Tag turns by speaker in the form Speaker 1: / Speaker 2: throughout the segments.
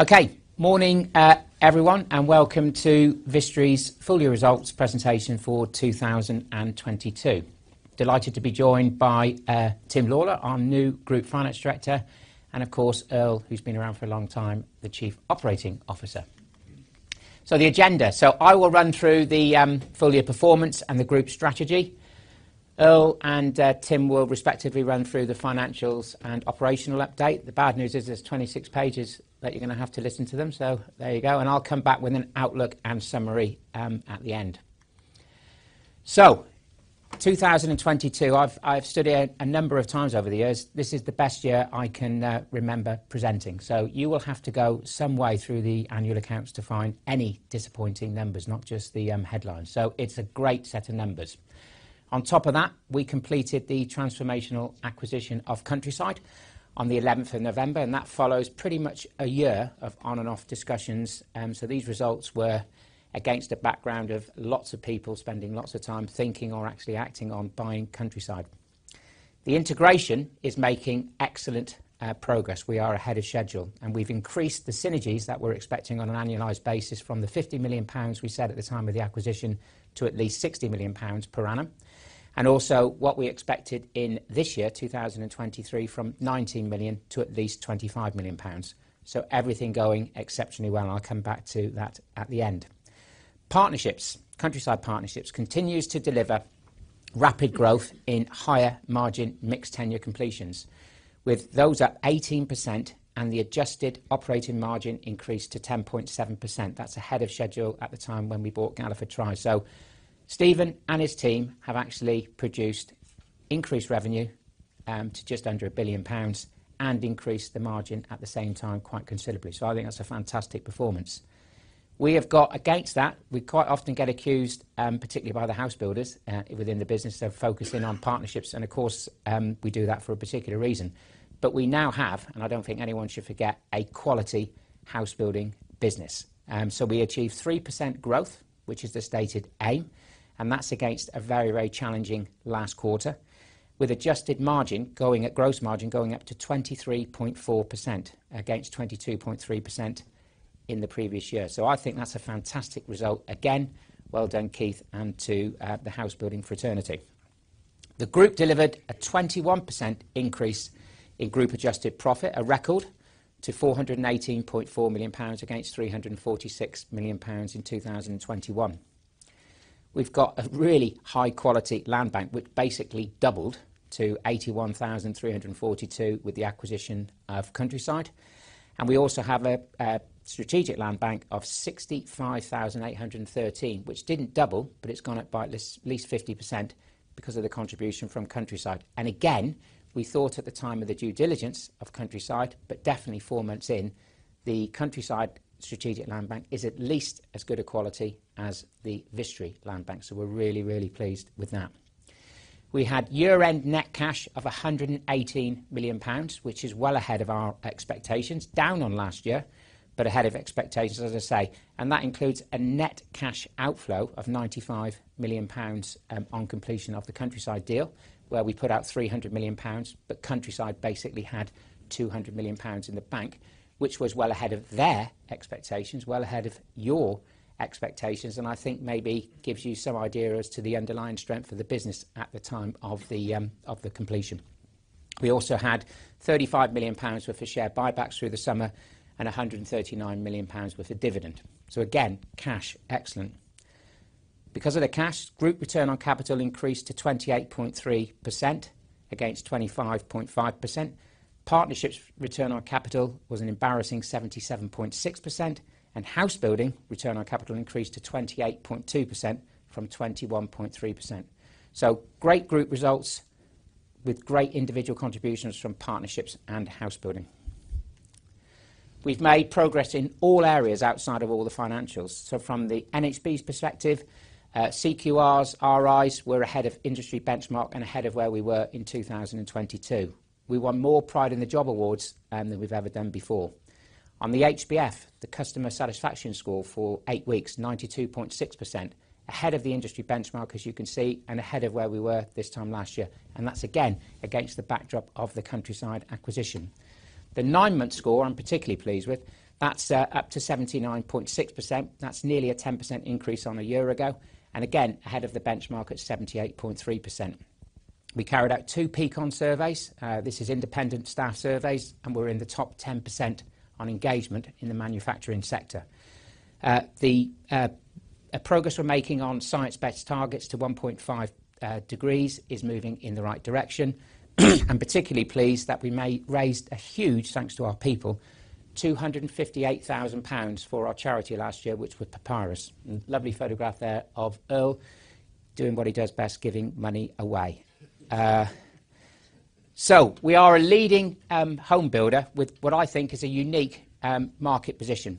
Speaker 1: Okay. Morning, everyone, welcome to Vistry's full year results presentation for 2022. Delighted to be joined by Tim Lawlor, our new Group Finance Director, and of course, Earl, who's been around for a long time, the Chief Operating Officer. The agenda. I will run through the full year performance and the group strategy. Earl and Tim will respectively run through the financials and operational update. The bad news is there's 26 pages that you're gonna have to listen to them. There you go, and I'll come back with an outlook and summary at the end. 2022. I've stood here a number of times over the years. This is the best year I can remember presenting. You will have to go some way through the annual accounts to find any disappointing numbers, not just the headlines. It's a great set of numbers. On top of that, we completed the transformational acquisition of Countryside on the November 11th, and that follows pretty much a year of on and off discussions. These results were against a background of lots of people spending lots of time thinking or actually acting on buying Countryside. The integration is making excellent progress. We are ahead of schedule, and we've increased the synergies that we're expecting on an annualized basis from the 50 million pounds we set at the time of the acquisition to at least 60 million pounds per annum. What we expected in this year, 2023, from 19 million to at least 25 million pounds. Everything going exceptionally well. I'll come back to that at the end. Partnerships. Countryside Partnerships continues to deliver rapid growth in higher-margin mixed tenure completions. With those up 18% and the adjusted operating margin increased to 10.7%. That's ahead of schedule at the time when we bought Galliford Try. Stephen and his team have actually produced increased revenue to just under 1 billion pounds and increased the margin at the same time quite considerably. I think that's a fantastic performance. We have got against that, we quite often get accused, particularly by the house builders within the business of focusing on partnerships, and of course, we do that for a particular reason. We now have, and I don't think anyone should forget, a quality Housebuilding business. We achieved 3% growth, which is the stated aim, and that's against a very, very challenging last quarter, with gross margin going up to 23.4% against 22.3% in the previous year. I think that's a fantastic result again. Well done, Keith, and to the housebuilding fraternity. The group delivered a 21% increase in group adjusted profit, a record, to 418.4 million pounds against 346 million pounds in 2021. We've got a really high-quality land bank, which basically doubled to 81,342 with the acquisition of Countryside. We also have a strategic land bank of 65,813, which didn't double, but it's gone up by at least 50% because of the contribution from Countryside. Again, we thought at the time of the due diligence of Countryside, but definitely four months in, the Countryside strategic land bank is at least as good a quality as the Vistry land bank. We're really, really pleased with that. We had year-end net cash of 118 million pounds, which is well ahead of our expectations, down on last year, but ahead of expectations, as I say. That includes a net cash outflow of 95 million pounds on completion of the Countryside deal, where we put out 300 million pounds. Countryside basically had 200 million pounds in the bank, which was well ahead of their expectations, well ahead of your expectations, and I think maybe gives you some idea as to the underlying strength of the business at the time of the of the completion. We also had 35 million pounds worth of share buybacks through the summer and 139 million pounds worth of dividend. Again, cash, excellent. Because of the cash, group return on capital increased to 28.3% against 25.5%. Partnerships return on capital was an embarrassing 77.6%, and housebuilding return on capital increased to 28.2% from 21.3%. Great group results with great individual contributions from partnerships and housebuilding. We've made progress in all areas outside of all the financials. From the NHBC's perspective, CQRs, RIs, we're ahead of industry benchmark and ahead of where we were in 2022. We won more Pride in the Job awards than we've ever done before. On the HBF, the customer satisfaction score for eight weeks, 92.6%, ahead of the industry benchmark, as you can see, and ahead of where we were this time last year. That's again against the backdrop of the Countryside acquisition. The nine-month score I'm particularly pleased with. That's up to 79.6%. That's nearly a 10% increase on a year ago, and again, ahead of the benchmark at 78.3%. We carried out two Peakon surveys. This is independent staff surveys, we're in the top 10% on engagement in the manufacturing sector. The progress we're making on Science Based Targets to 1.5 degrees is moving in the right direction. I'm particularly pleased that we raised a huge, thanks to our people, 258,000 pounds for our charity last year, which was PAPYRUS. Lovely photograph there of Earl doing what he does best, giving money away. We are a leading home builder with what I think is a unique market position.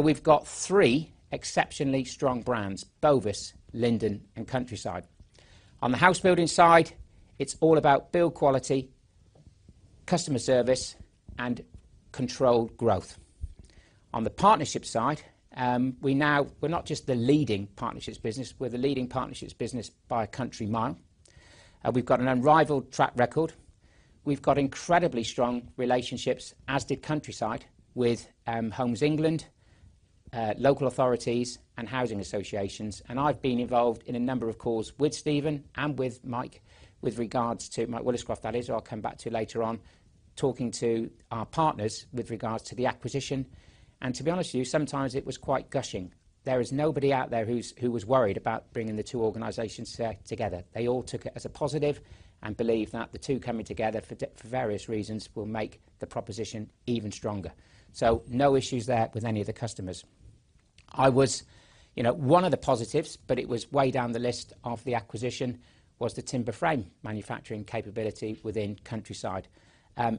Speaker 1: We've got three exceptionally strong brands: Bovis, Linden, and Countryside. On the housebuilding side, it's all about build quality, customer service, and controlled growth. On the partnership side, we're not just the leading partnerships business, we're the leading partnerships business by a country mile. We've got an unrivaled track record. We've got incredibly strong relationships, as did Countryside, with Homes England, local authorities and housing associations. I've been involved in a number of calls with Stephen and with Mike with regards to Mike Woolliscroft, that is, who I'll come back to later on, talking to our partners with regards to the acquisition. To be honest with you, sometimes it was quite gushing. There is nobody out there who's, who was worried about bringing the two organizations together. They all took it as a positive and believe that the two coming together for various reasons will make the proposition even stronger. No issues there with any of the customers. I was, you know, one of the positives, but it was way down the list of the acquisition, was the timber frame manufacturing capability within Countryside.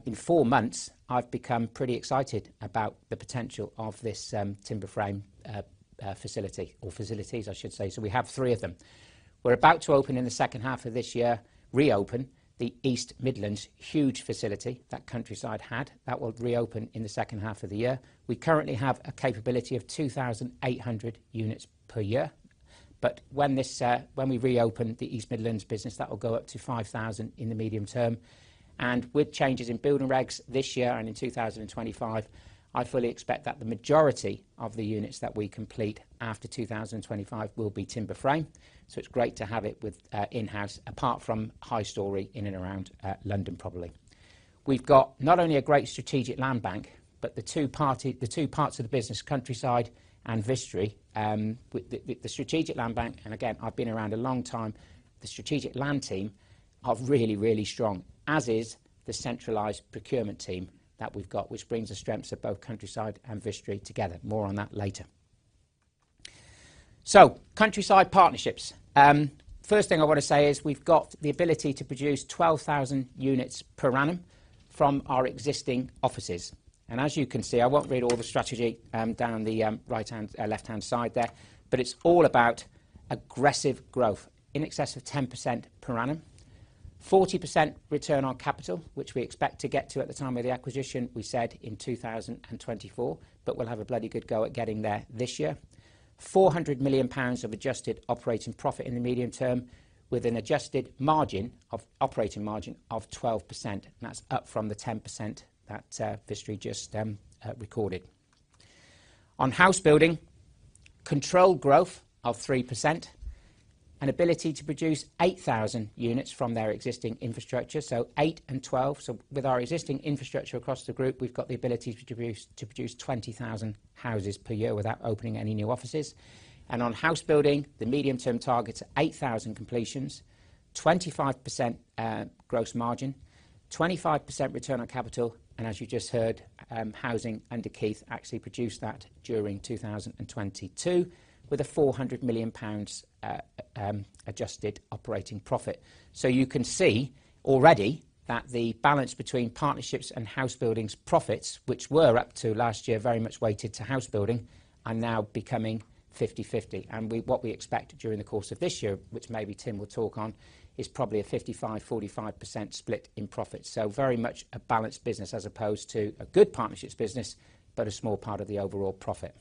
Speaker 1: In four months, I've become pretty excited about the potential of this timber frame facility or facilities, I should say. We have three of them. We're about to open in the second half of this year, reopen, the East Midlands huge facility that Countryside had. That will reopen in the second half of the year. We currently have a capability of 2,800 units per year. When this, when we reopen the East Midlands business, that will go up to 5,000 in the medium term. With changes in building regs this year and in 2025, I fully expect that the majority of the units that we complete after 2025 will be timber frame. It's great to have it with in-house, apart from high story in and around London, probably. We've got not only a great strategic land bank, but the two parts of the business, Countryside and Vistry, with the strategic land bank, and again, I've been around a long time, the strategic land team are really strong, as is the centralized procurement team that we've got, which brings the strengths of both Countryside and Vistry together. More on that later. Countryside Partnerships. First thing I wanna say is we've got the ability to produce 12,000 units per annum from our existing offices. As you can see, I won't read all the strategy down the right-hand, left-hand side there, but it's all about aggressive growth in excess of 10% per annum. 40% return on capital, which we expect to get to at the time of the acquisition, we said in 2024, but we'll have a bloody good go at getting there this year. 400 million pounds of adjusted operating profit in the medium term with an adjusted operating margin of 12%. That's up from the 10% that Vistry just recorded. On housebuilding, controlled growth of 3%, an ability to produce 8,000 units from their existing infrastructure. 8 and 12. With our existing infrastructure across the group, we've got the ability to produce 20,000 houses per year without opening any new offices. On housebuilding, the medium-term target's 8,000 completions, 25% gross margin, 25% return on capital. As you just heard, housing under Keith actually produced that during 2022 with a 400 million pounds adjusted operating profit. You can see already that the balance between Partnerships and Housebuilding's profits, which were up to last year, very much weighted to Housebuilding, are now becoming 50/50. We, what we expect during the course of this year, which maybe Tim will talk on, is probably a 55%, 45% split in profit. Very much a balanced business as opposed to a good Partnerships business, but a small part of the overall profit.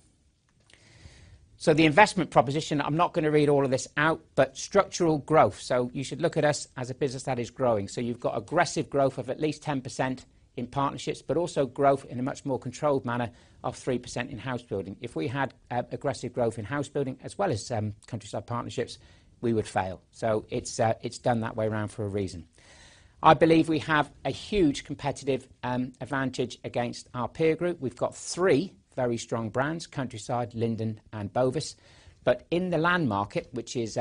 Speaker 1: The investment proposition, I'm not gonna read all of this out, but structural growth. You should look at us as a business that is growing. You've got aggressive growth of at least 10% in Partnerships, but also growth in a much more controlled manner of 3% in Housebuilding. If we had aggressive growth in Housebuilding as well as Countryside Partnerships, we would fail. It's done that way around for a reason. I believe we have a huge competitive advantage against our peer group. We've got three very strong brands, Countryside, Linden and Bovis. In the land market, which is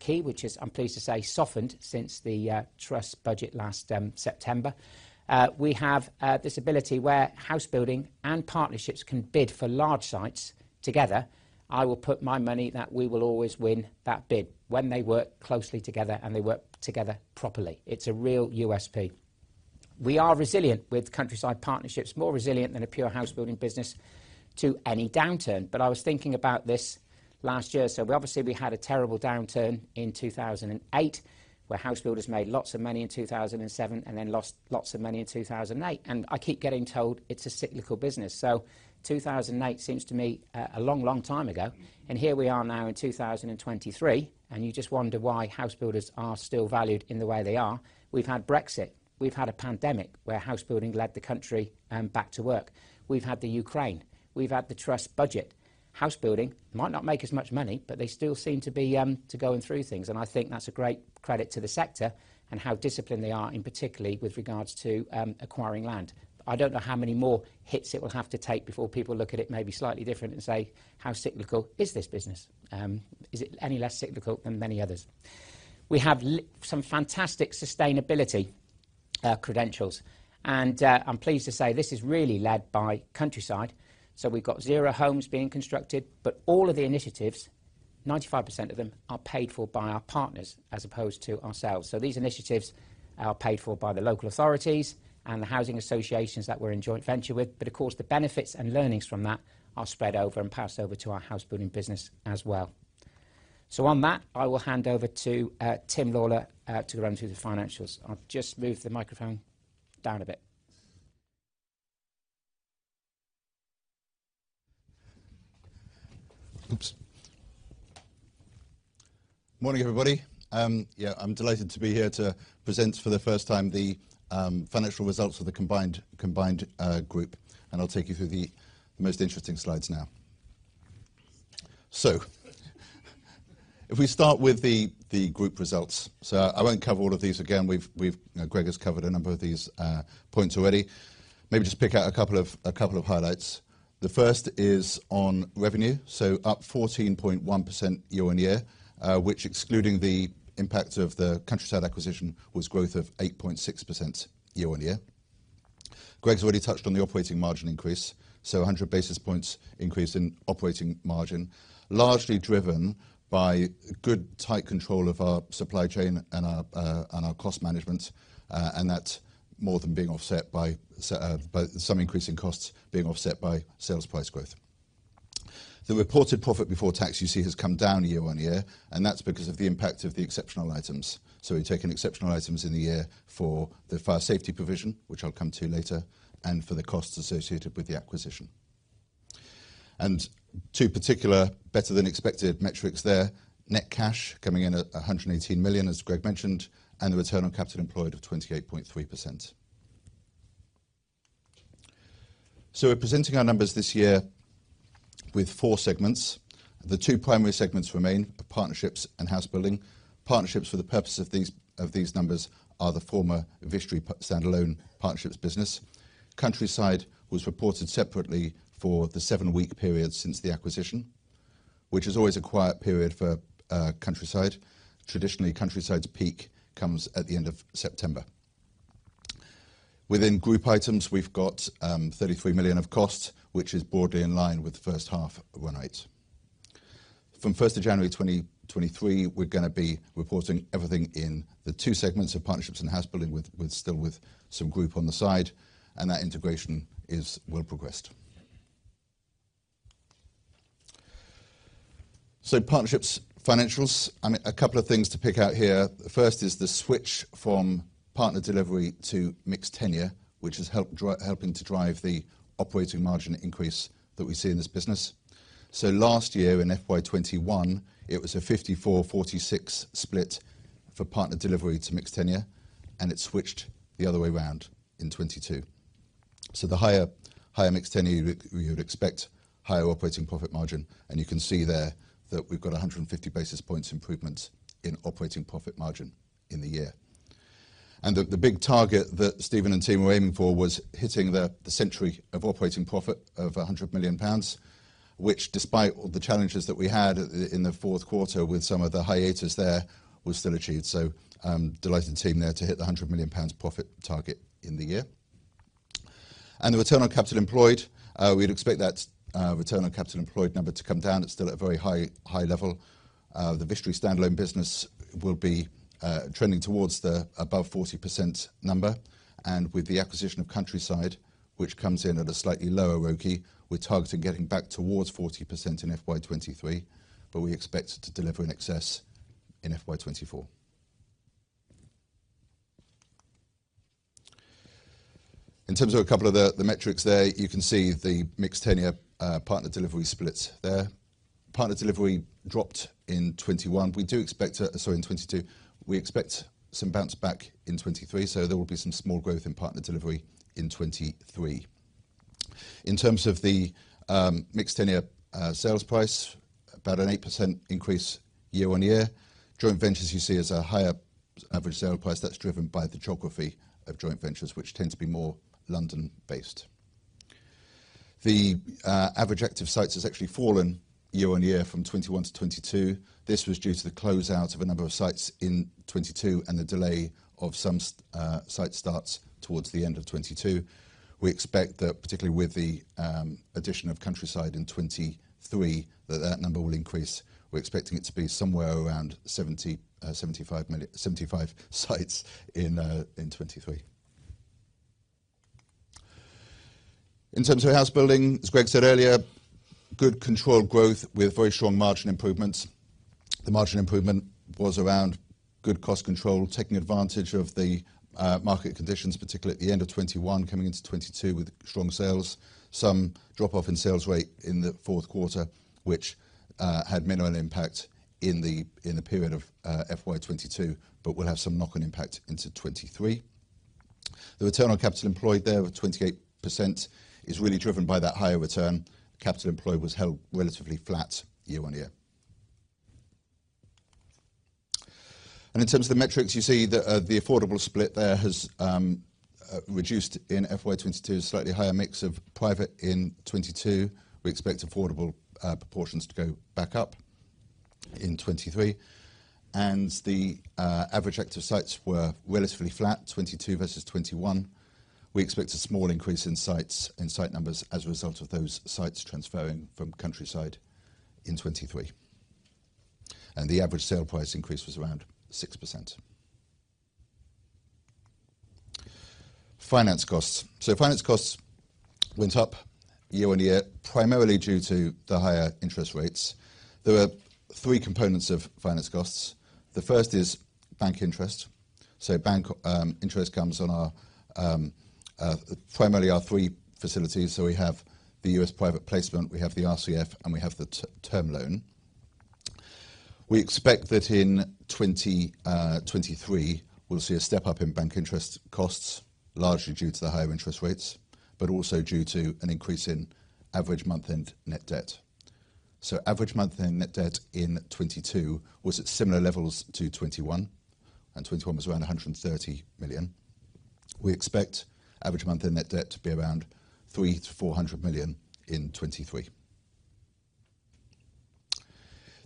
Speaker 1: key, which has, I'm pleased to say, softened since the Truss budget last September, we have this ability where Housebuilding and Partnerships can bid for large sites together. I will put my money that we will always win that bid when they work closely together, and they work together properly. It's a real USP. We are resilient with Countryside Partnerships, more resilient than a pure housebuilding business to any downturn. I was thinking about this last year. We obviously had a terrible downturn in 2008, where house builders made lots of money in 2007 and then lost lots of money in 2008. I keep getting told it's a cyclical business. 2008 seems to me a long, long time ago, and here we are now in 2023, and you just wonder why house builders are still valued in the way they are. We've had Brexit, we've had a pandemic, where housebuilding led the country back to work. We've had the Ukraine, we've had the Truss budget. Housebuilding might not make as much money, but they still seem to be to going through things. I think that's a great credit to the sector and how disciplined they are in particularly with regards to acquiring land. I don't know how many more hits it will have to take before people look at it maybe slightly different and say, "How cyclical is this business?" Is it any less cyclical than many others? We have some fantastic sustainability credentials, and I'm pleased to say this is really led by Countryside. We've got zero homes being constructed, but all of the initiatives, 95% of them are paid for by our partners as opposed to ourselves. These initiatives are paid for by the local authorities and the housing associations that we're in joint venture with. Of course, the benefits and learnings from that are spread over and passed over to our housebuilding business as well. On that, I will hand over to Tim Lawlor to run through the financials. I've just moved the microphone down a bit.
Speaker 2: Oops. Morning, everybody. Yeah, I'm delighted to be here to present for the first time the financial results of the combined group. I'll take you through the most interesting slides now. If we start with the group results. I won't cover all of these again. We've, you know, Greg has covered a number of these points already. Maybe just pick out a couple of highlights. The first is on revenue, up 14.1% year-on-year, which excluding the impact of the Countryside acquisition, was growth of 8.6% year-on-year. Greg's already touched on the operating margin increase, 100 basis points increase in operating margin, largely driven by good tight control of our supply chain and our cost management, and that more than being offset by some increasing costs being offset by sales price growth. The reported profit before tax you see has come down year-on-year, that's because of the impact of the exceptional items. We've taken exceptional items in the year for the fire safety provision, which I'll come to later, and for the costs associated with the acquisition. Two particular better-than-expected metrics there, net cash coming in at 118 million, as Greg mentioned, and the return on capital employed of 28.3%. We're presenting our numbers this year with four segments. The two primary segments remain, partnerships and housebuilding. Partnerships for the purpose of these numbers are the former Vistry standalone partnerships business. Countryside was reported separately for the seven-week period since the acquisition, which is always a quiet period for Countryside. Traditionally, Countryside's peak comes at the end of September. Within group items, we've got 33 million of costs, which is broadly in line with the first half of Runight. From January 1st 2023, we're gonna be reporting everything in the two segments of partnerships and housebuilding with still with some group on the side, and that integration is well progressed. Partnerships financials, I mean, a couple of things to pick out here. First is the switch from partner delivery to mixed tenure, which is helping to drive the operating margin increase that we see in this business. Last year in FY 2021, it was a 54/46 split for partner delivery to mixed tenure, and it switched the other way around in 2022. The higher mixed tenure you'd expect higher operating profit margin, and you can see there that we've got 150 basis points improvement in operating profit margin in the year. The big target that Stephen Teagle and team were aiming for was hitting the century of operating profit of 100 million pounds, which despite all the challenges that we had in the fourth quarter with some of the hiatus there, was still achieved. I'm delighted the team there to hit the 100 million pounds profit target in the year. The return on capital employed, we'd expect that return on capital employed number to come down. It's still at a very high level. The Vistry standalone business will be trending towards the above 40% number and with the acquisition of Countryside, which comes in at a slightly lower ROCE, we're targeting getting back towards 40% in FY 23, but we expect to deliver in excess in FY 24. In terms of a couple of the metrics there, you can see the mixed tenure partner delivery split there. Partner delivery dropped in 21. We do expect in 22. We expect some bounce back in 23, there will be some small growth in partner delivery in 23. In terms of the mixed tenure sales price, about an 8% increase year-on-year. Joint ventures you see is a higher average sale price that's driven by the geography of joint ventures, which tend to be more London based. The average active sites has actually fallen year-on-year from 21 to 22. This was due to the closeout of a number of sites in 22 and the delay of some site starts towards the end of 22. We expect that particularly with the addition of Countryside in 23, that that number will increase. We're expecting it to be somewhere around 75 sites in 23. In terms of housebuilding, as Greg said earlier, good controlled growth with very strong margin improvements. The margin improvement was around good cost control, taking advantage of the market conditions, particularly at the end of 21 coming into 22 with strong sales. Some drop off in sales rate in the fourth quarter, which had minimal impact in the period of FY 22, but will have some knock-on impact into 23. The return on capital employed there of 28% is really driven by that higher return. Capital employed was held relatively flat year-on-year. In terms of the metrics, you see the affordable split there has reduced in FY 2022, slightly higher mix of private in 2022. We expect affordable proportions to go back up in 2023. The average active sites were relatively flat, 2022 versus 2021. We expect a small increase in sites, in site numbers as a result of those sites transferring from Countryside in 2023. The average sale price increase was around 6%. Finance costs. Finance costs went up year-on-year, primarily due to the higher interest rates. There were three components of finance costs. The first is bank interest. Bank interest comes on our primarily our three facilities. We have the U.S. private placement, we have the RCF, and we have the t-term loan. We expect that in 2023, we'll see a step up in bank interest costs, largely due to the higher interest rates, but also due to an increase in average month-end net debt. Average month-end net debt in 2022 was at similar levels to 2021, and 2021 was around 130 million. We expect average month-end net debt to be around 300 million-400 million in 2023.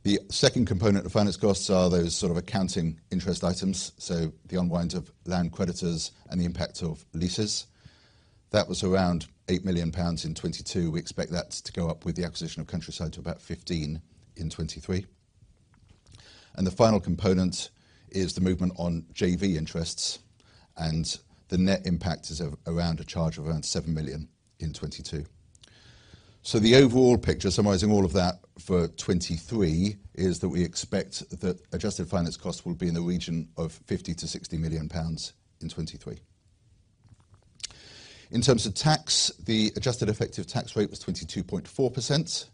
Speaker 2: The second component of finance costs are those sort of accounting interest items, the unwind of land creditors and the impact of leases. That was around 8 million pounds in 2022. We expect that to go up with the acquisition of Countryside to about 15 million in 2023. The final component is the movement on JV interests, and the net impact is around a charge of around 7 million in 2022. The overall picture, summarizing all of that for 2023, is that we expect that adjusted finance costs will be in the region of 50 million-60 million pounds in 2023. In terms of tax, the adjusted effective tax rate was 22.4%,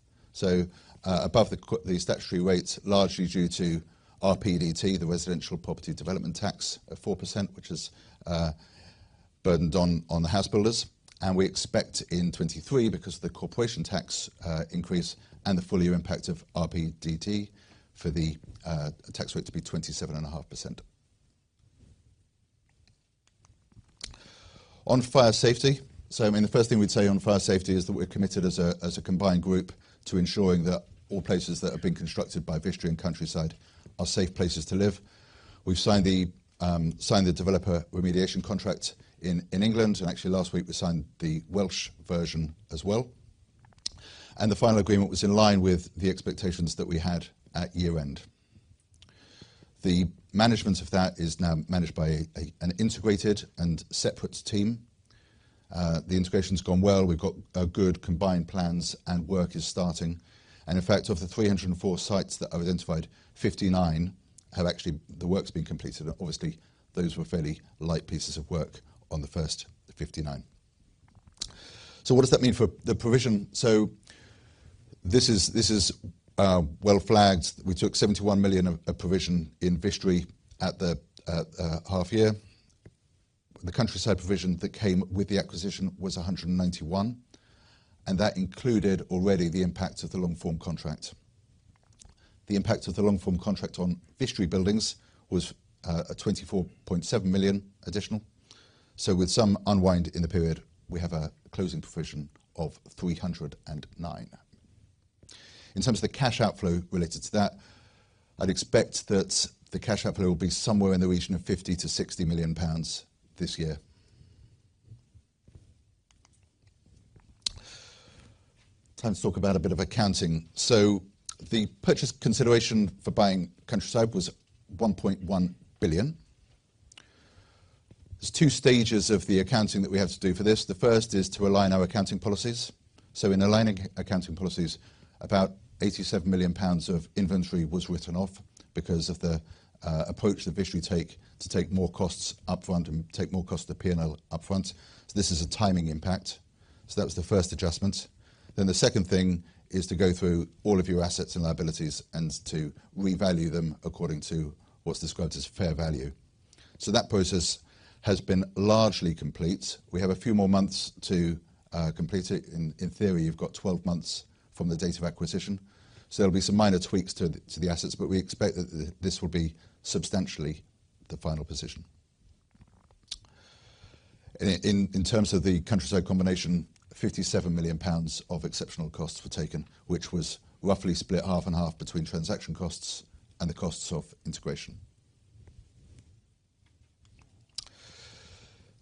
Speaker 2: above the statutory rate, largely due to RPDT, the Residential Property Developer Tax of 4%, which is burdened on the house builders. We expect in 2023, because of the corporation tax increase and the full year impact of RPDT for the tax rate to be 27.5%. On fire safety. I mean, the first thing we'd say on fire safety is that we're committed as a combined group to ensuring that all places that have been constructed by Vistry and Countryside are safe places to live. We've signed the developer remediation contract in England, actually last week we signed the Welsh version as well. The final agreement was in line with the expectations that we had at year end. The management of that is now managed by an integrated and separate team. The integration's gone well. We've got good combined plans, work is starting. In fact, of the 304 sites that are identified, 59 have the work's been completed. Obviously, those were fairly light pieces of work on the first 59. What does that mean for the provision? This is well flagged. We took 71 million of provision in Vistry at the half year. The Countryside provision that came with the acquisition was 191 million, and that included already the impact of the long form contract. The impact of the long form contract on Vistry buildings was a 24.7 million additional. With some unwind in the period, we have a closing provision of 309 million. In terms of the cash outflow related to that, I'd expect that the cash outflow will be somewhere in the region of 50 million-60 million pounds this year. Time to talk about a bit of accounting. The purchase consideration for buying Countryside was 1.1 billion. There's two stages of the accounting that we had to do for this. The first is to align our accounting policies. In aligning accounting policies, about 87 million pounds of inventory was written off because of the approach that Vistry take to take more costs upfront and take more costs to P&L upfront. This is a timing impact. That was the first adjustment. The second thing is to go through all of your assets and liabilities and to revalue them according to what's described as fair value. That process has been largely complete. We have a few more months to complete it. In theory, you've got 12 months from the date of acquisition. There'll be some minor tweaks to the assets, but we expect that this will be substantially the final position. In terms of the Countryside combination, 57 million pounds of exceptional costs were taken, which was roughly split half and half between transaction costs and the costs of integration.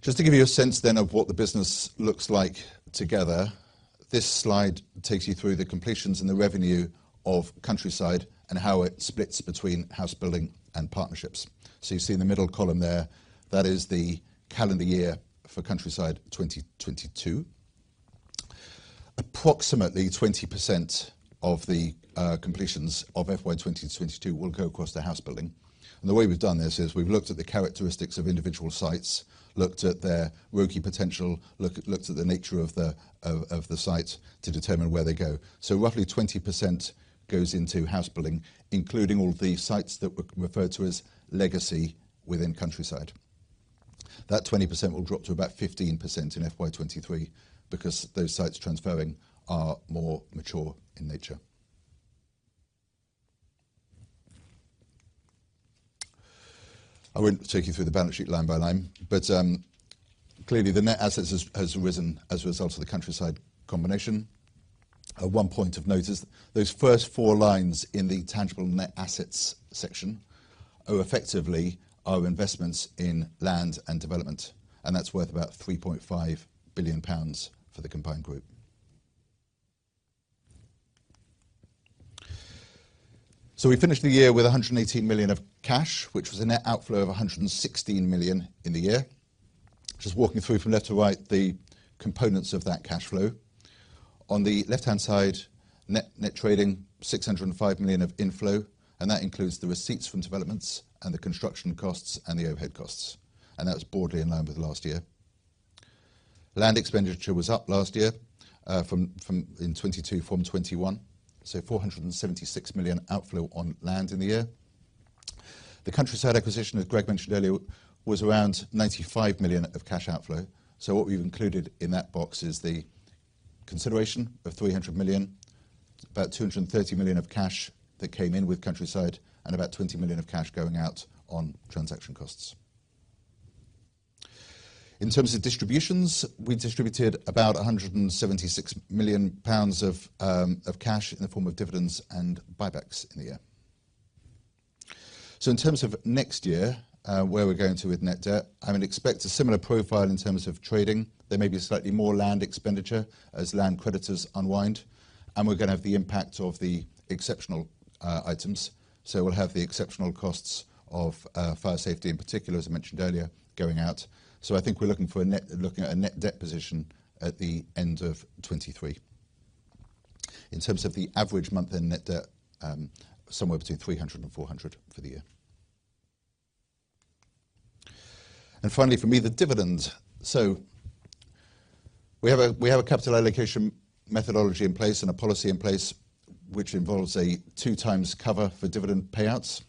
Speaker 2: To give you a sense then of what the business looks like together, this slide takes you through the completions and the revenue of Countryside and how it splits between housebuilding and partnerships. You see in the middle column there, that is the calendar year for Countryside 2022. Approximately 20% of the completions of FY 2022 will go across the housebuilding. The way we've done this is we've looked at the characteristics of individual sites, looked at their ROCE potential, looked at the nature of the site to determine where they go. Roughly 20% goes into housebuilding, including all the sites that were referred to as legacy within Countryside. That 20% will drop to about 15% in FY 2023 because those sites transferring are more mature in nature. I won't take you through the balance sheet line by line, but clearly the net assets has risen as a result of the Countryside combination. One point of note is those first four lines in the tangible net assets section are effectively our investments in land and development, and that's worth about 3.5 billion pounds for the combined group. We finished the year with 118 million of cash, which was a net outflow of 116 million in the year. Just walking through from left to right, the components of that cash flow. On the left hand side, net trading, 605 million of inflow, that includes the receipts from developments and the construction costs and the overhead costs. That's broadly in line with last year. Land expenditure was up last year, from in 2022 from 2021, 476 million outflow on land in the year. The Countryside acquisition, as Greg mentioned earlier, was around 95 million of cash outflow. What we've included in that box is the consideration of 300 million, about 230 million of cash that came in with Countryside, and about 20 million of cash going out on transaction costs. In terms of distributions, we distributed about 176 million pounds of cash in the form of dividends and buybacks in the year. In terms of 2023, where we're going to with net debt, I mean, expect a similar profile in terms of trading. There may be slightly more land expenditure as land creditors unwind, and we're going to have the impact of the exceptional items. We'll have the exceptional costs of fire safety in particular, as I mentioned earlier, going out. I think we're looking at a net debt position at the end of 2023. In terms of the average month-end net debt, somewhere between 300 and 400 for the year. Finally, for me, the dividend. We have a capital allocation methodology in place and a policy in place which involves a 2x cover for dividend payouts.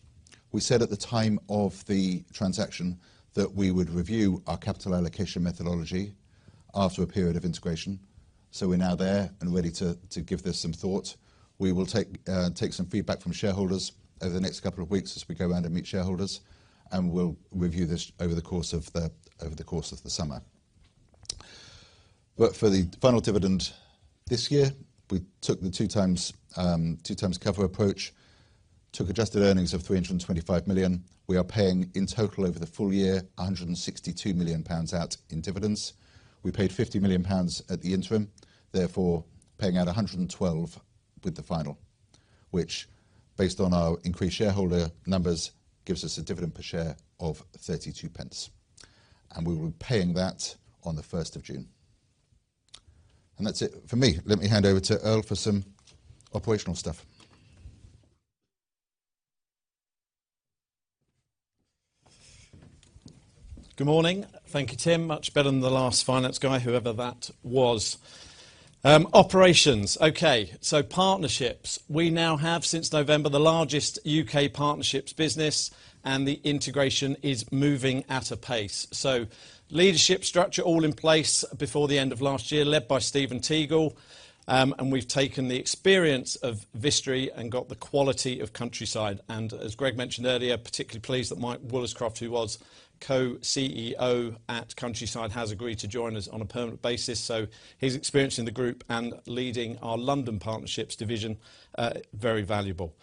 Speaker 2: We said at the time of the transaction that we would review our capital allocation methodology after a period of integration. We're now there and ready to give this some thought. We will take some feedback from shareholders over the next couple of weeks as we go around and meet shareholders, and we'll review this over the course of the summer. For the final dividend this year, we took the two times cover approach. Took adjusted earnings of 325 million. We are paying in total over the full year 162 million pounds out in dividends. We paid 50 million pounds at the interim, therefore paying out 112 with the final, which based on our increased shareholder numbers, gives us a dividend per share of 0.32. We will be paying that on the June 1st. That's it for me. Let me hand over to Earl for some operational stuff.
Speaker 3: Good morning. Thank you, Tim. Much better than the last finance guy, whoever that was. Operations. Okay, partnerships. We now have, since November, the largest U.K. partnerships business, and the integration is moving at a pace. Leadership structure all in place before the end of last year, led by Stephen Teagle. We've taken the experience of Vistry and got the quality of Countryside. As Greg mentioned earlier, particularly pleased that Mike Woolliscroft, who was co-CEO at Countryside, has agreed to join us on a permanent basis. His experience in the group and leading our London partnerships division, very valuable.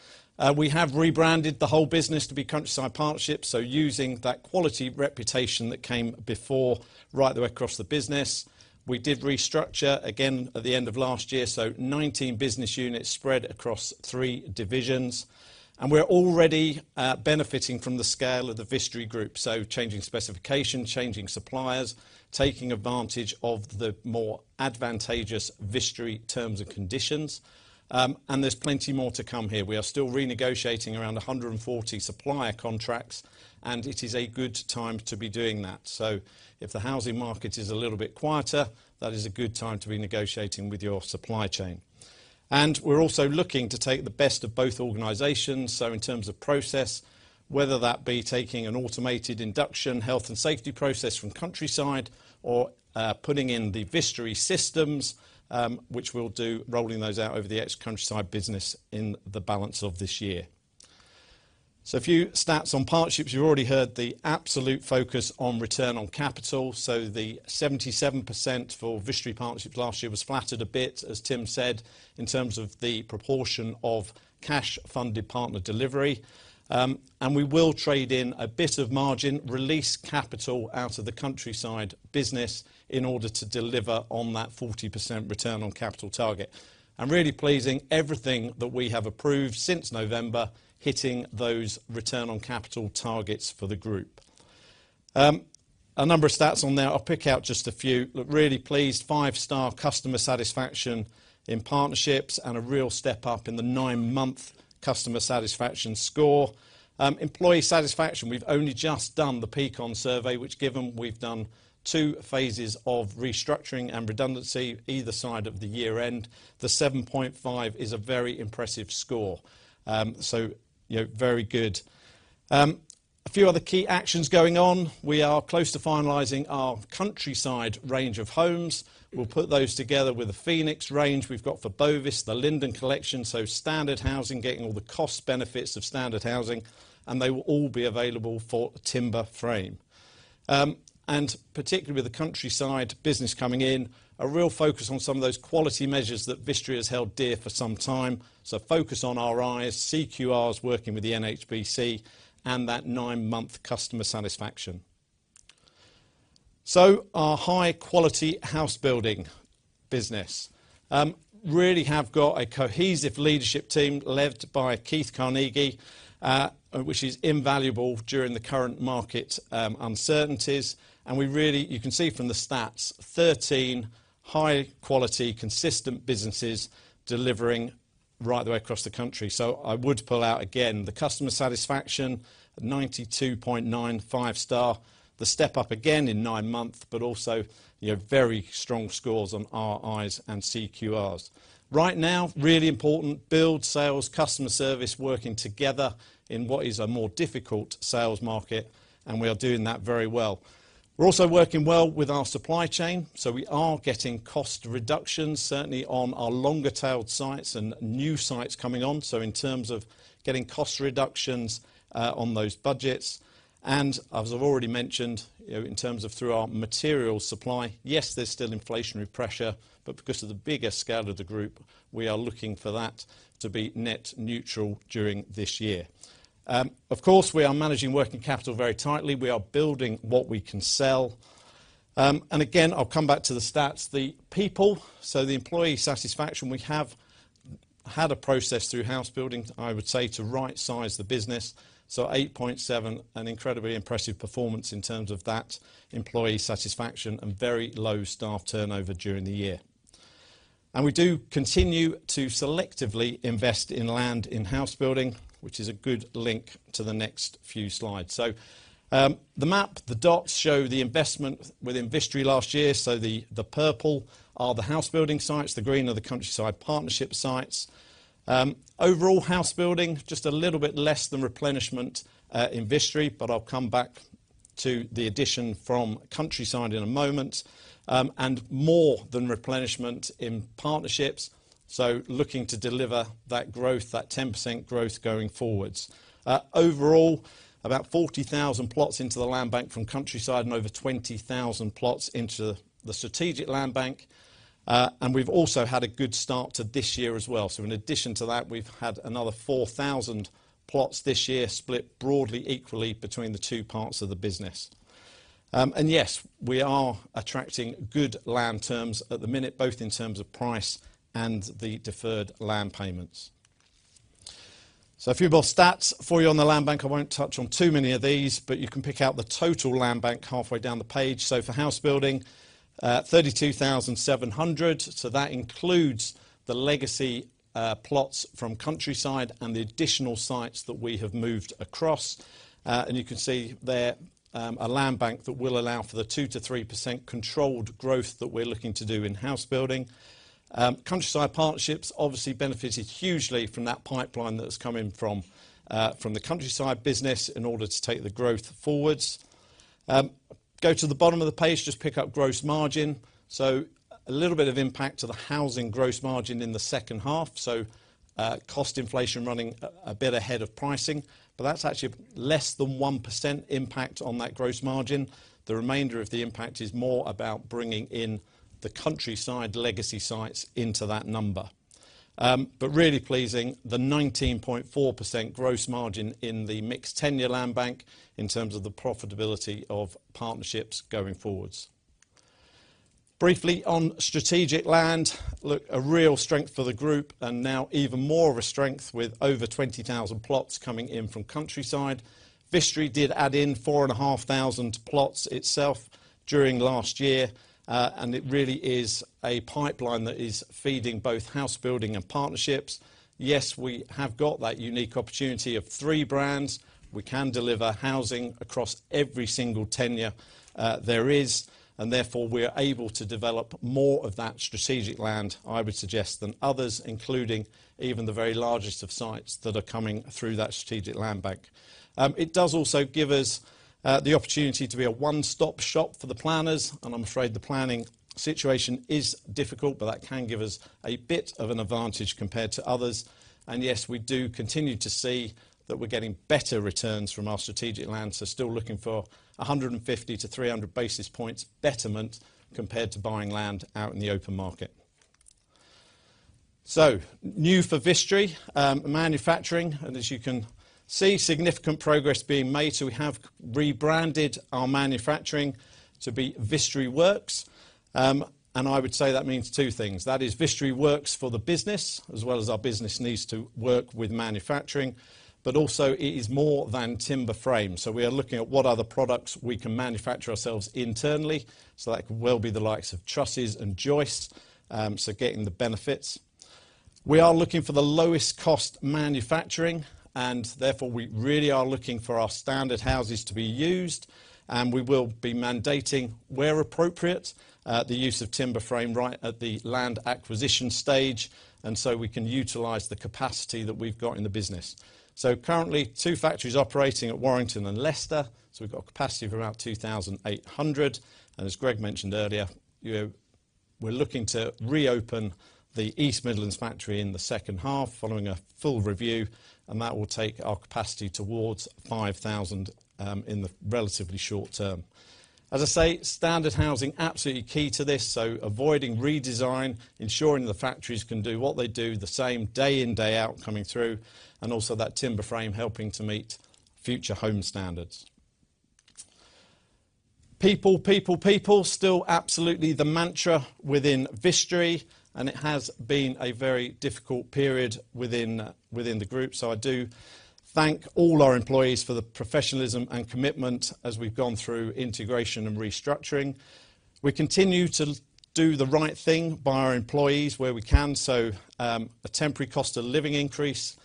Speaker 3: We have rebranded the whole business to be Countryside Partnerships, so using that quality reputation that came before right the way across the business. We did restructure again at the end of last year, so 19 business units spread across three divisions. We're already benefiting from the scale of the Vistry Group, so changing specification, changing suppliers, taking advantage of the more advantageous Vistry terms and conditions. There's plenty more to come here. We are still renegotiating around 140 supplier contracts. It is a good time to be doing that. If the housing market is a little bit quieter, that is a good time to be negotiating with your supply chain. We're also looking to take the best of both organizations. In terms of process, whether that be taking an automated induction health and safety process from Countryside or putting in the Vistry systems, which we'll do rolling those out over the ex-Countryside business in the balance of this year. A few stats on partnerships. You already heard the absolute focus on return on capital. The 77% for Vistry Partnerships last year was flattered a bit, as Tim said, in terms of the proportion of cash-funded partner delivery. We will trade in a bit of margin, release capital out of the Countryside business in order to deliver on that 40% return on capital target. Really pleasing everything that we have approved since November, hitting those return on capital targets for the group. A number of stats on there. I'll pick out just a few. Look, really pleased, five-star customer satisfaction in partnerships and a real step up in the nine-month customer satisfaction score. Employee satisfaction, we've only just done the Peakon survey, which given we've done two phases of restructuring and redundancy either side of the year end. The 7.5 is a very impressive score. You know, very good. A few other key actions going on. We are close to finalizing our Countryside range of homes. We'll put those together with the Phoenix Range we've got for Bovis, the Linden Collection, so standard housing, getting all the cost benefits of standard housing, and they will all be available for timber frame. Particularly with the Countryside business coming in, a real focus on some of those quality measures that Vistry has held dear for some time. Focus on RIs, CQR is working with the NHBC and that nine-month customer satisfaction. Our high-quality Housebuilding business. Really have got a cohesive leadership team led by Keith Carnegie, which is invaluable during the current market uncertainties. You can see from the stats, 13 high quality, consistent businesses delivering right the way across the country. I would pull out again the customer satisfaction, 92.9 five star, the step up again in nine months, but also, you know, very strong scores on RIs and CQRs. Right now, really important build sales, customer service working together in what is a more difficult sales market, and we are doing that very well. We're also working well with our supply chain, so we are getting cost reductions, certainly on our longer-tailed sites and new sites coming on. In terms of getting cost reductions, on those budgets, and as I've already mentioned, you know, in terms of through our material supply, yes, there's still inflationary pressure, but because of the bigger scale of the group, we are looking for that to be net neutral during this year. Of course, we are managing working capital very tightly. We are building what we can sell. Again, I'll come back to the stats, the people. The employee satisfaction we have had a process through housebuilding, I would say, to right size the business. 8.7, an incredibly impressive performance in terms of that employee satisfaction and very low staff turnover during the year. We do continue to selectively invest in land in housebuilding, which is a good link to the next few slides. The map, the dots show the investment within Vistry last year. The purple are the housebuilding sites, the green are the Countryside Partnerships sites. Overall housebuilding, just a little bit less than replenishment in Vistry, but I'll come back to the addition from Countryside in a moment, and more than replenishment in Partnerships. Looking to deliver that growth, that 10% growth going forwards. Overall, about 40,000 plots into the land bank from Countryside and over 20,000 plots into the strategic land bank. We've also had a good start to this year as well. In addition to that, we've had another 4,000 plots this year split broadly equally between the two parts of the business. Yes, we are attracting good land terms at the minute, both in terms of price and the deferred land payments. A few more stats for you on the land bank. I won't touch on too many of these, but you can pick out the total land bank halfway down the page. For housebuilding, 32,700. That includes the legacy plots from Countryside and the additional sites that we have moved across. You can see there, a land bank that will allow for the 2%-3% controlled growth that we're looking to do in housebuilding. Countryside Partnerships obviously benefited hugely from that pipeline that's coming from the Countryside business in order to take the growth forwards. Go to the bottom of the page, just pick up gross margin. A little bit of impact to the housing gross margin in the second half. Cost inflation running a bit ahead of pricing, but that's actually less than 1% impact on that gross margin. The remainder of the impact is more about bringing in the Countryside legacy sites into that number. Really pleasing, the 19.4% gross margin in the mixed-tenure land bank in terms of the profitability of Partnerships going forwards. Briefly on strategic land, look, a real strength for the group and now even more of a strength with over 20,000 plots coming in from Countryside. Vistry did add in 4,500 plots itself during last year, and it really is a pipeline that is feeding both housebuilding and Partnerships. Yes, we have got that unique opportunity of three brands. We can deliver housing across every single tenure there is, and therefore we are able to develop more of that strategic land, I would suggest, than others, including even the very largest of sites that are coming through that strategic land bank. It does also give us the opportunity to be a one-stop shop for the planners, and I'm afraid the planning situation is difficult, but that can give us a bit of an advantage compared to others. Yes, we do continue to see that we're getting better returns from our strategic land. Still looking for 150-300 basis points betterment compared to buying land out in the open market. New for Vistry, manufacturing, and as you can see, significant progress being made. We have rebranded our manufacturing to be Vistry Works. I would say that means two things. That is Vistry Works for the business, as well as our business needs to work with manufacturing, but also it is more than timber frame. We are looking at what other products we can manufacture ourselves internally. That could well be the likes of trusses and joists, so getting the benefits. We are looking for the lowest-cost manufacturing, and therefore we really are looking for our standard houses to be used, and we will be mandating where appropriate, the use of timber frame right at the land acquisition stage, and so we can utilize the capacity that we've got in the business. Currently two factories operating at Warrington and Leicester. We've got capacity for about 2,800. As Greg mentioned earlier, you know, we're looking to reopen the East Midlands factory in the second half following a full review, and that will take our capacity towards 5,000 in the relatively short term. As I say, standard housing absolutely key to this, so avoiding redesign, ensuring the factories can do what they do the same day in, day out coming through, and also that timber frame helping to meet future home standards. People, people. Still absolutely the mantra within Vistry, and it has been a very difficult period within the group. I do thank all our employees for the professionalism and commitment as we've gone through integration and restructuring. We continue to do the right thing by our employees where we can. A temporary cost of living increase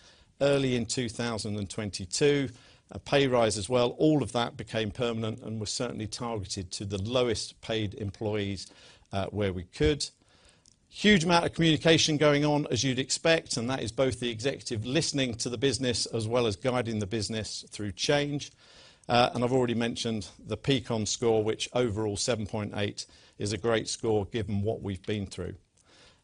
Speaker 3: early in 2022, a pay rise as well, all of that became permanent and was certainly targeted to the lowest paid employees where we could. Huge amount of communication going on, as you'd expect. That is both the executive listening to the business as well as guiding the business through change. I've already mentioned the Peakon score, which overall 7.8 is a great score given what we've been through.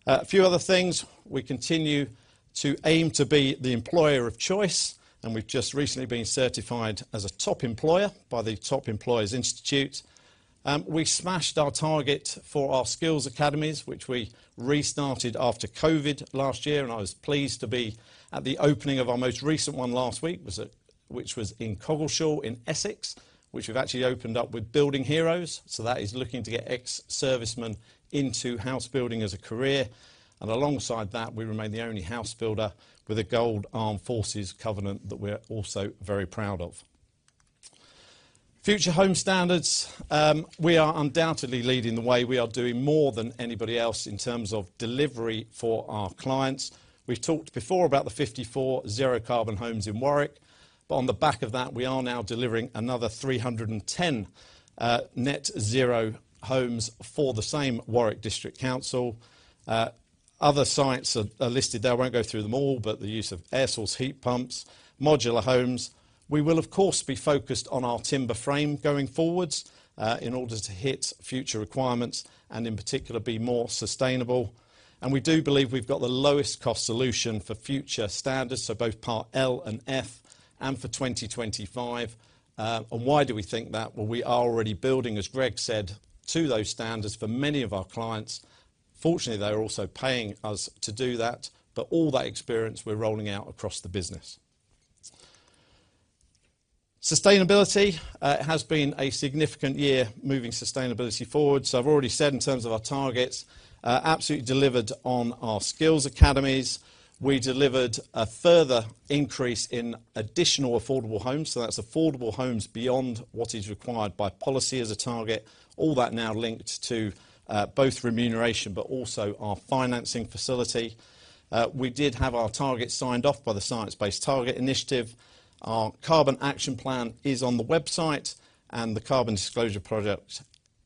Speaker 3: A few other things. We continue to aim to be the employer of choice. We've just recently been certified as a top employer by the Top Employers Institute. We smashed our target for our skills academies, which we restarted after COVID last year. I was pleased to be at the opening of our most recent one last week, which was in Coggeshall in Essex, which we've actually opened up with Building Heroes. That is looking to get ex-servicemen into housebuilding as a career. Alongside that, we remain the only housebuilder with a Gold Armed Forces Covenant that we're also very proud of. Future home standards, we are undoubtedly leading the way. We are doing more than anybody else in terms of delivery for our clients. We've talked before about the 54 zero-carbon homes in Warwick, on the back of that, we are now delivering another 310 net-zero homes for the same Warwick District Council. Other sites are listed there. I won't go through them all, the use of air source heat pumps, modular homes. We will of course be focused on our timber frame going forwards in order to hit future requirements and in particular, be more sustainable. We do believe we've got the lowest cost solution for future standards, so both Part L and F and for 2025. Why do we think that? Well, we are already building, as Greg said, to those standards for many of our clients. Fortunately, they're also paying us to do that, but all that experience we're rolling out across the business. Sustainability has been a significant year moving sustainability forward. I've already said in terms of our targets, absolutely delivered on our skills academies. We delivered a further increase in additional affordable homes, so that's affordable homes beyond what is required by policy as a target. All that now linked to both remuneration, but also our financing facility. We did have our target signed off by the Science Based Targets initiative. Our carbon action plan is on the website, and the Carbon Disclosure Project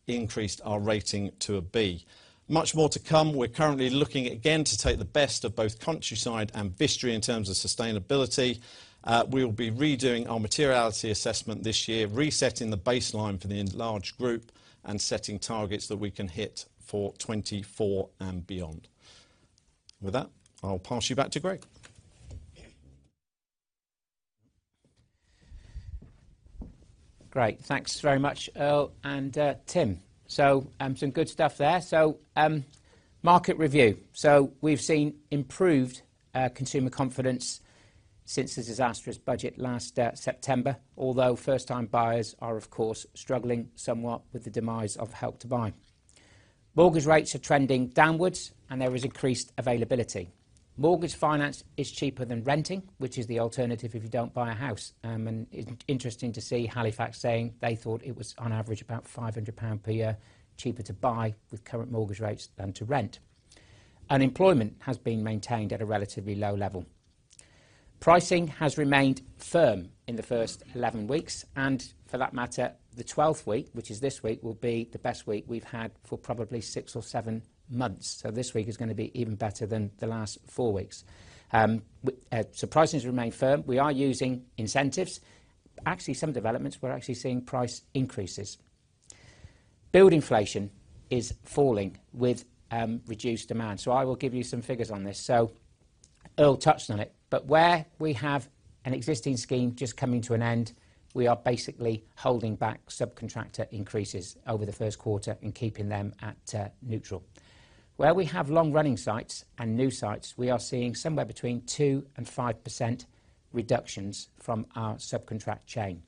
Speaker 3: increased our rating to a B. Much more to come. We're currently looking again to take the best of both Countryside and Vistry in terms of sustainability. We will be redoing our materiality assessment this year, resetting the baseline for the enlarged group and setting targets that we can hit for 24 and beyond. With that, I'll pass you back to Greg.
Speaker 1: Great. Thanks very much, Earl and Tim. Some good stuff there. Market review. We've seen improved consumer confidence since the disastrous budget last September, although first-time buyers are of course struggling somewhat with the demise of Help to Buy. Mortgage rates are trending downwards, and there is increased availability. Mortgage finance is cheaper than renting, which is the alternative if you don't buy a house. And it's interesting to see Halifax saying they thought it was on average about 500 pound per year cheaper to buy with current mortgage rates than to rent. Unemployment has been maintained at a relatively low level. Pricing has remained firm in the first 11 weeks, and for that matter, the 12th week, which is this week, will be the best week we've had for probably six or seven months. This week is gonna be even better than the last four weeks. Prices remain firm. We are using incentives. Actually, some developments we're actually seeing price increases. Build inflation is falling with reduced demand. I will give you some figures on this. Earl touched on it, but where we have an existing scheme just coming to an end, we are basically holding back subcontractor increases over the first quarter and keeping them at neutral. Where we have long-running sites and new sites, we are seeing somewhere between 2%-5% reductions from our subcontract chain.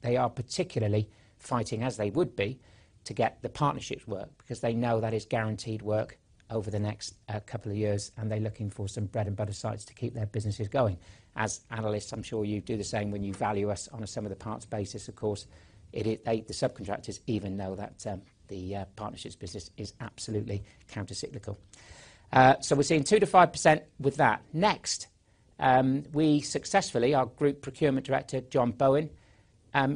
Speaker 1: They are particularly fighting as they would be to get the partnerships work because they know that is guaranteed work over the next couple of years, and they're looking for some bread and butter sites to keep their businesses going. As analysts, I'm sure you do the same when you value us on a sum-of-the-parts basis, of course. They, the subcontractors even know that the Partnerships business is absolutely countercyclical. We're seeing 2%-5% with that. Next, we successfully, our Group Procurement Director, John Bowen,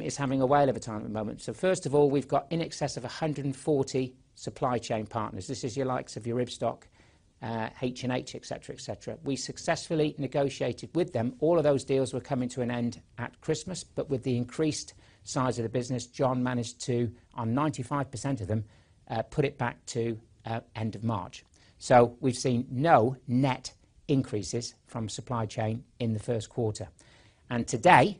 Speaker 1: is having a whale of a time at the moment. First of all, we've got in excess of 140 supply chain partners. This is your likes of your Ibstock, H+H, et cetera, et cetera. We successfully negotiated with them. All of those deals were coming to an end at Christmas, but with the increased size of the business, John managed to, on 95% of them, put it back to end of March. We've seen no net increases from supply chain in the first quarter. Today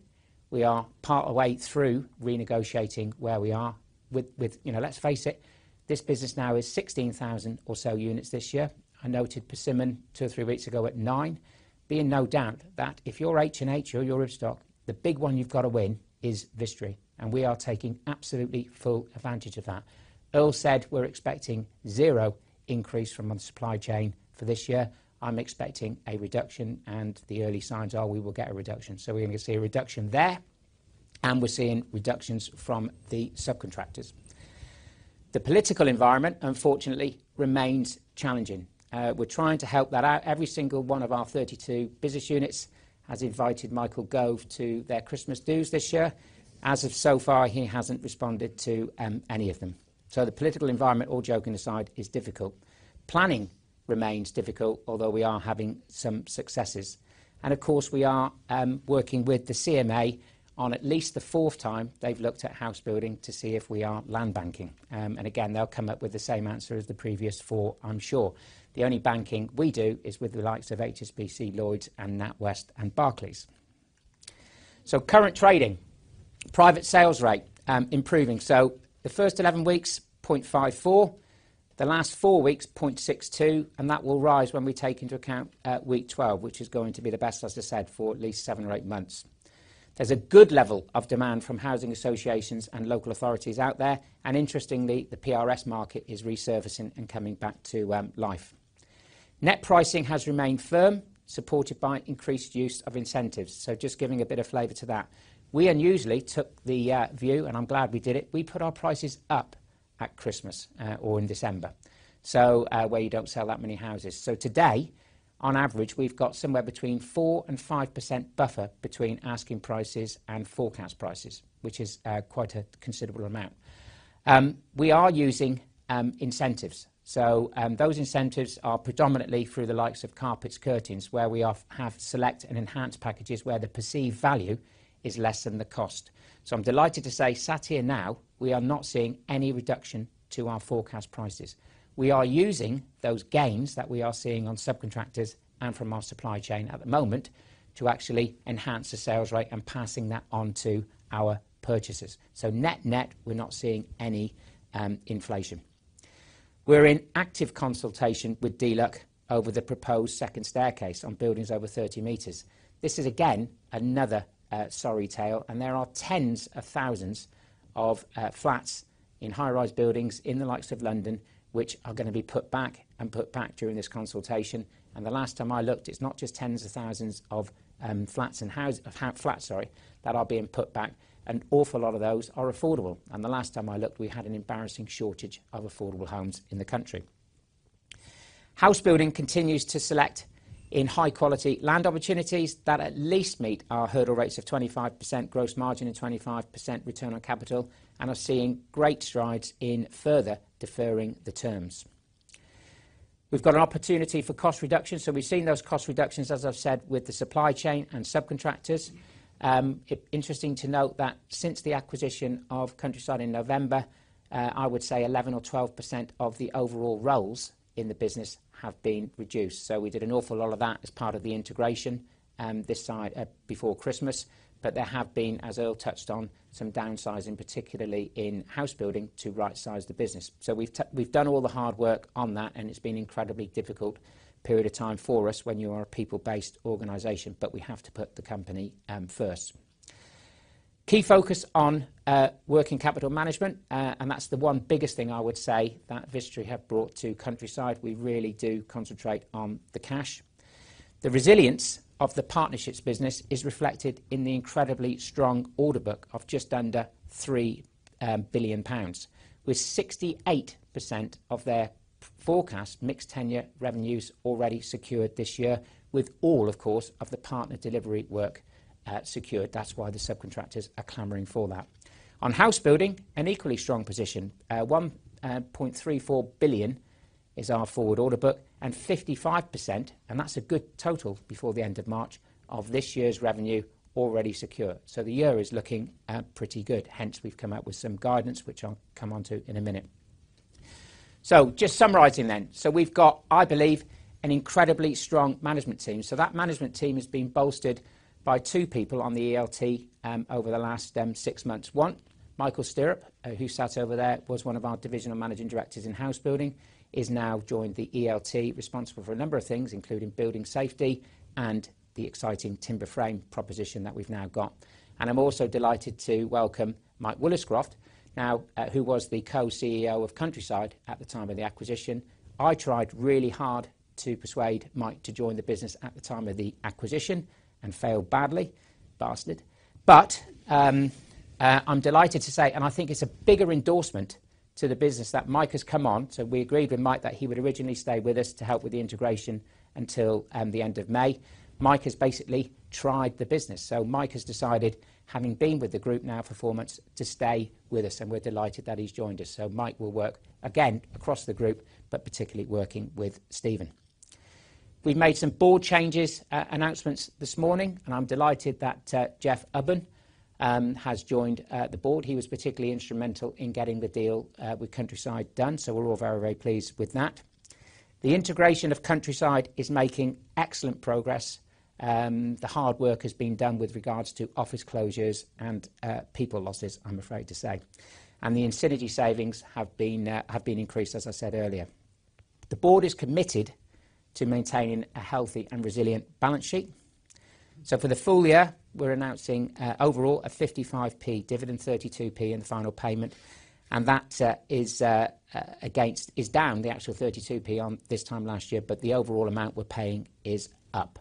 Speaker 1: we are partway through renegotiating where we are with... You know, let's face it, this business now is 16,000 or so units this year. I noted Persimmon two or three weeks ago at nine. Be in no doubt that if you're H+H or you're Ibstock, the big one you've got to win is Vistry, and we are taking absolutely full advantage of that. Earl said we're expecting zero increase from our supply chain for this year. I'm expecting a reduction, and the early signs are we will get a reduction. We're going to see a reduction there, and we're seeing reductions from the subcontractors. The political environment, unfortunately, remains challenging. We're trying to help that out. Every single one of our 32 business units has invited Michael Gove to their Christmas dos this year. As of so far, he hasn't responded to any of them. The political environment, all joking aside, is difficult. Planning remains difficult, although we are having some successes. Of course, we are working with the CMA on at least the fourth time they've looked at housebuilding to see if we are land banking. Again, they'll come up with the same answer as the previous four, I'm sure. The only banking we do is with the likes of HSBC, Lloyds, NatWest, and Barclays. Current trading. Private sales rate improving. The first 11 weeks, 0.54. The last four weeks, 0.62, that will rise when we take into account week 12, which is going to be the best, as I said, for at least seven or eight months. There's a good level of demand from housing associations and local authorities out there. Interestingly, the PRS market is resurfacing and coming back to life. Net pricing has remained firm, supported by increased use of incentives. Just giving a bit of flavor to that. We unusually took the view, and I'm glad we did it. We put our prices up at Christmas or in December. Where you don't sell that many houses. Today, on average, we've got somewhere between 4% and 5% buffer between asking prices and forecast prices, which is quite a considerable amount. We are using incentives. Those incentives are predominantly through the likes of carpets, curtains, where we have select and enhanced packages where the perceived value is less than the cost. I'm delighted to say, sat here now, we are not seeing any reduction to our forecast prices. We are using those gains that we are seeing on subcontractors and from our supply chain at the moment to actually enhance the sales rate and passing that on to our purchasers. Net-net, we're not seeing any inflation. We're in active consultation with DLUHC over the proposed second staircase on buildings over 30 meters. This is, again, another sorry tale, and there are tens of thousands of flats in high-rise buildings in the likes of London, which are going to be put back during this consultation. The last time I looked, it's not just tens of thousands of flats that are being put back. An awful lot of those are affordable. The last time I looked, we had an embarrassing shortage of affordable homes in the country. Housebuilding continues to select in high-quality land opportunities that at least meet our hurdle rates of 25% gross margin and 25% return on capital and are seeing great strides in further deferring the terms. We've got an opportunity for cost reductions, so we've seen those cost reductions, as I've said, with the supply chain and subcontractors. It interesting to note that since the acquisition of Countryside in November, I would say 11% or 12% of the overall roles in the business have been reduced. We did an awful lot of that as part of the integration, this side before Christmas. There have been, as Earl touched on, some downsizing, particularly in housebuilding to rightsize the business. We've done all the hard work on that, and it's been incredibly difficult period of time for us when you are a people-based organization, but we have to put the company first. Key focus on working capital management, and that's the one biggest thing I would say that Vistry have brought to Countryside. We really do concentrate on the cash. The resilience of the partnerships business is reflected in the incredibly strong order book of just under 3 billion pounds, with 68% of their forecast mixed tenure revenues already secured this year, with all, of course, of the partner delivery work secured. That's why the subcontractors are clamoring for that. Housebuilding, an equally strong position. 1.34 billion is our forward order book and 55%, and that's a good total before the end of March, of this year's revenue already secure. The year is looking pretty good. Hence, we've come out with some guidance, which I'll come onto in a minute. Just summarizing then. We've got, I believe, an incredibly strong management team. That management team has been bolstered by two people on the ELT over the last six months. One, Michael Stirrop, who sat over there, was one of our divisional managing directors in housebuilding, is now joined the ELT, responsible for a number of things, including building safety and the exciting timber frame proposition that we've now got. I'm also delighted to welcome Mike Woolliscroft, now, who was the co-CEO of Countryside at the time of the acquisition. I tried really hard to persuade Mike to join the business at the time of the acquisition and failed badly. Bastard. I'm delighted to say, and I think it's a bigger endorsement to the business that Mike has come on. We agreed with Mike that he would originally stay with us to help with the integration until the end of May. Mike has basically tried the business. Mike has decided, having been with the group now for four months, to stay with us, and we're delighted that he's joined us. Mike will work again across the group, but particularly working with Stephen. We've made some board changes, announcements this morning, and I'm delighted that Jeff Ubben has joined the board. He was particularly instrumental in getting the deal with Countryside done, so we're all very, very pleased with that. The integration of Countryside is making excellent progress. The hard work has been done with regards to office closures and people losses, I'm afraid to say. The synergy savings have been increased, as I said earlier. The board is committed to maintaining a healthy and resilient balance sheet. For the full year, we're announcing overall a 55p dividend, 32p in the final payment, and that is down, the actual 32p on this time last year, but the overall amount we're paying is up.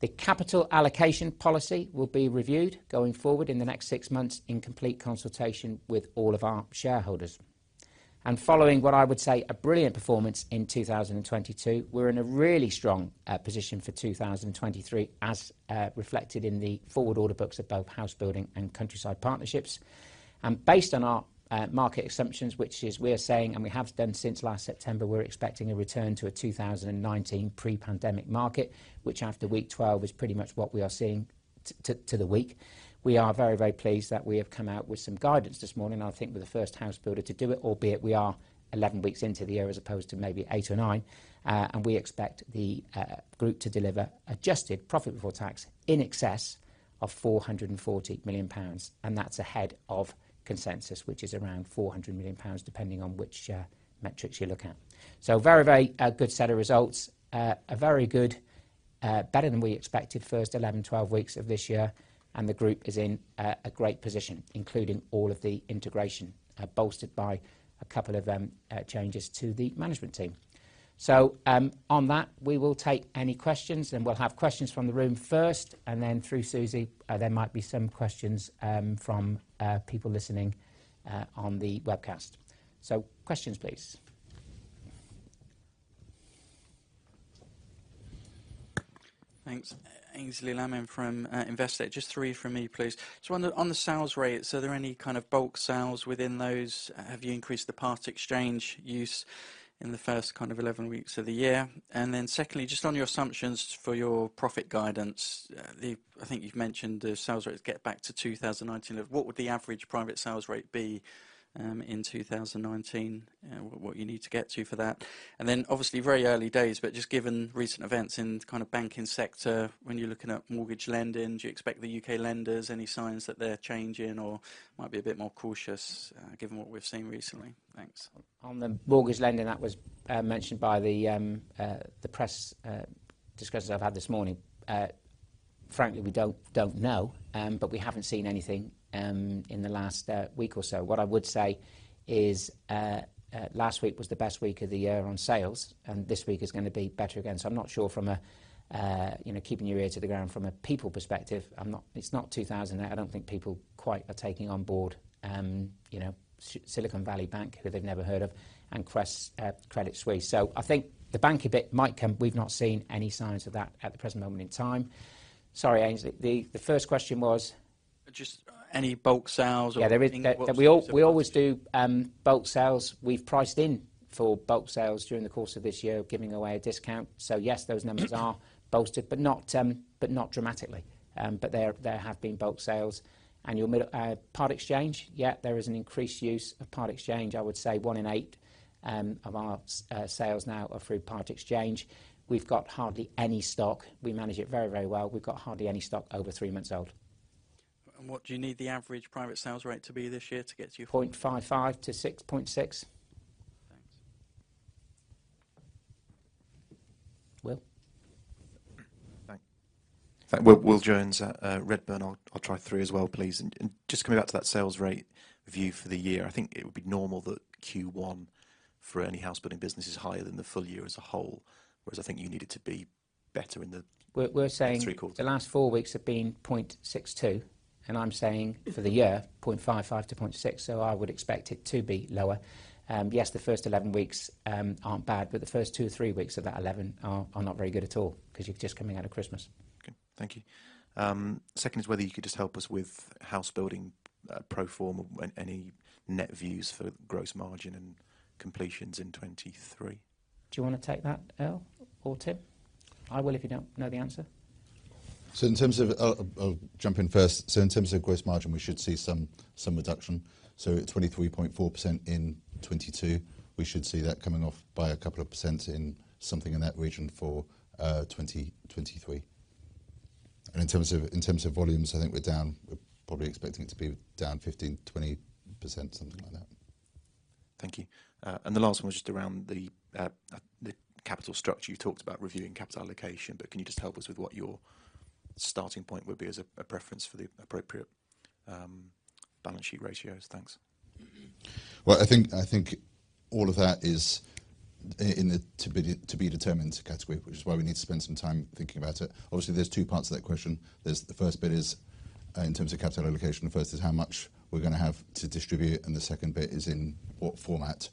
Speaker 1: The capital allocation policy will be reviewed going forward in the next six months in complete consultation with all of our shareholders. Following what I would say a brilliant performance in 2022, we're in a really strong position for 2023, as reflected in the forward order books of both housebuilding and Countryside Partnerships. Based on our market assumptions, which is we're saying, and we have done since last September, we're expecting a return to a 2019 pre-pandemic market, which after week 12 is pretty much what we are seeing to the week. We are very, very pleased that we have come out with some guidance this morning. I think we're the first house builder to do it, albeit we are 11 weeks into the year, as opposed to maybe eight or nine. We expect the group to deliver adjusted profit before tax in excess of 440 million pounds, and that's ahead of consensus, which is around 400 million pounds, depending on which metrics you're looking at. Very, very good set of results. A very good, better than we expected first 11, 12 weeks of this year, and the group is in a great position, including all of the integration, bolstered by a couple of changes to the management team. On that, we will take any questions, and we'll have questions from the room first, and then through Susie, there might be some questions from people listening on the webcast. Questions, please.
Speaker 4: Thanks. Aynsley Lammin from Investec. Just three from me, please. On the sales rates, are there any kind of bulk sales within those? Have you increased the part exchange use in the first kind of 11 weeks of the year? Secondly, just on your assumptions for your profit guidance, I think you've mentioned the sales rates get back to 2019. What would the average private sales rate be in 2019? What you need to get to for that. Obviously very early days, but just given recent events in the kind of banking sector, when you're looking at mortgage lending, do you expect the U.K. lenders, any signs that they're changing or might be a bit more cautious given what we've seen recently? Thanks.
Speaker 1: On the mortgage lending, that was mentioned by the press discussions I've had this morning. Frankly, we don't know, we haven't seen anything in the last week or so. What I would say is, last week was the best week of the year on sales, this week is gonna be better again. I'm not sure from a, you know, keeping your ear to the ground from a people perspective, it's not 2000. I don't think people quite are taking on board, you know, Silicon Valley Bank, who they've never heard of, Credit Suisse. I think the bank a bit might come. We've not seen any signs of that at the present moment in time. Sorry, Aynsley, the first question was?
Speaker 4: Just any bulk sales or anything?
Speaker 1: Yeah, there is. We always do bulk sales. We've priced in for bulk sales during the course of this year, giving away a discount. Yes, those numbers are bolstered, but not dramatically. There have been bulk sales. You'll remember, part exchange, yeah, there is an increased use of part exchange. I would say one in eight of our sales now are through part exchange. We've got hardly any stock. We manage it very, very well. We've got hardly any stock over three months old.
Speaker 4: What do you need the average private sales rate to be this year to get to you?
Speaker 1: 0.55 to 6.6.
Speaker 4: Thanks.
Speaker 1: Will?
Speaker 5: Thank you. Will Jones at Redburn. I'll try three as well, please. Just coming back to that sales rate view for the year, I think it would be normal that Q1 for any housebuilding business is higher than the full year as a whole, whereas I think you need it to be better in the.
Speaker 1: We're saying.
Speaker 5: the three quarters.
Speaker 1: the last four weeks have been 0.62, I'm saying for the year, 0.55-0.6. I would expect it to be lower. Yes, the first 11 weeks, aren't bad, the first two or three weeks of that 11 are not very good at all because you're just coming out of Christmas.
Speaker 5: Okay. Thank you. Second is whether you could just help us with housebuilding, pro forma, any net views for gross margin and completions in 23?
Speaker 1: Do you wanna take that, Earl or Tim? I will if you don't know the answer.
Speaker 2: In terms of... I'll jump in first. In terms of gross margin, we should see some reduction. At 23.4% in 2022, we should see that coming off by a couple of percent in something in that region for 2023. In terms of volumes, I think we're down, we're probably expecting it to be down 15%-20%, something like that.
Speaker 5: Thank you. The last one was just around the capital structure. You talked about reviewing capital allocation, but can you just help us with what your starting point would be as a preference for the appropriate balance sheet ratios? Thanks.
Speaker 2: I think all of that is in the to be determined category, which is why we need to spend some time thinking about it. Obviously, there's two parts to that question. There's the first bit is in terms of capital allocation, the first is how much we're gonna have to distribute, and the second bit is in what format.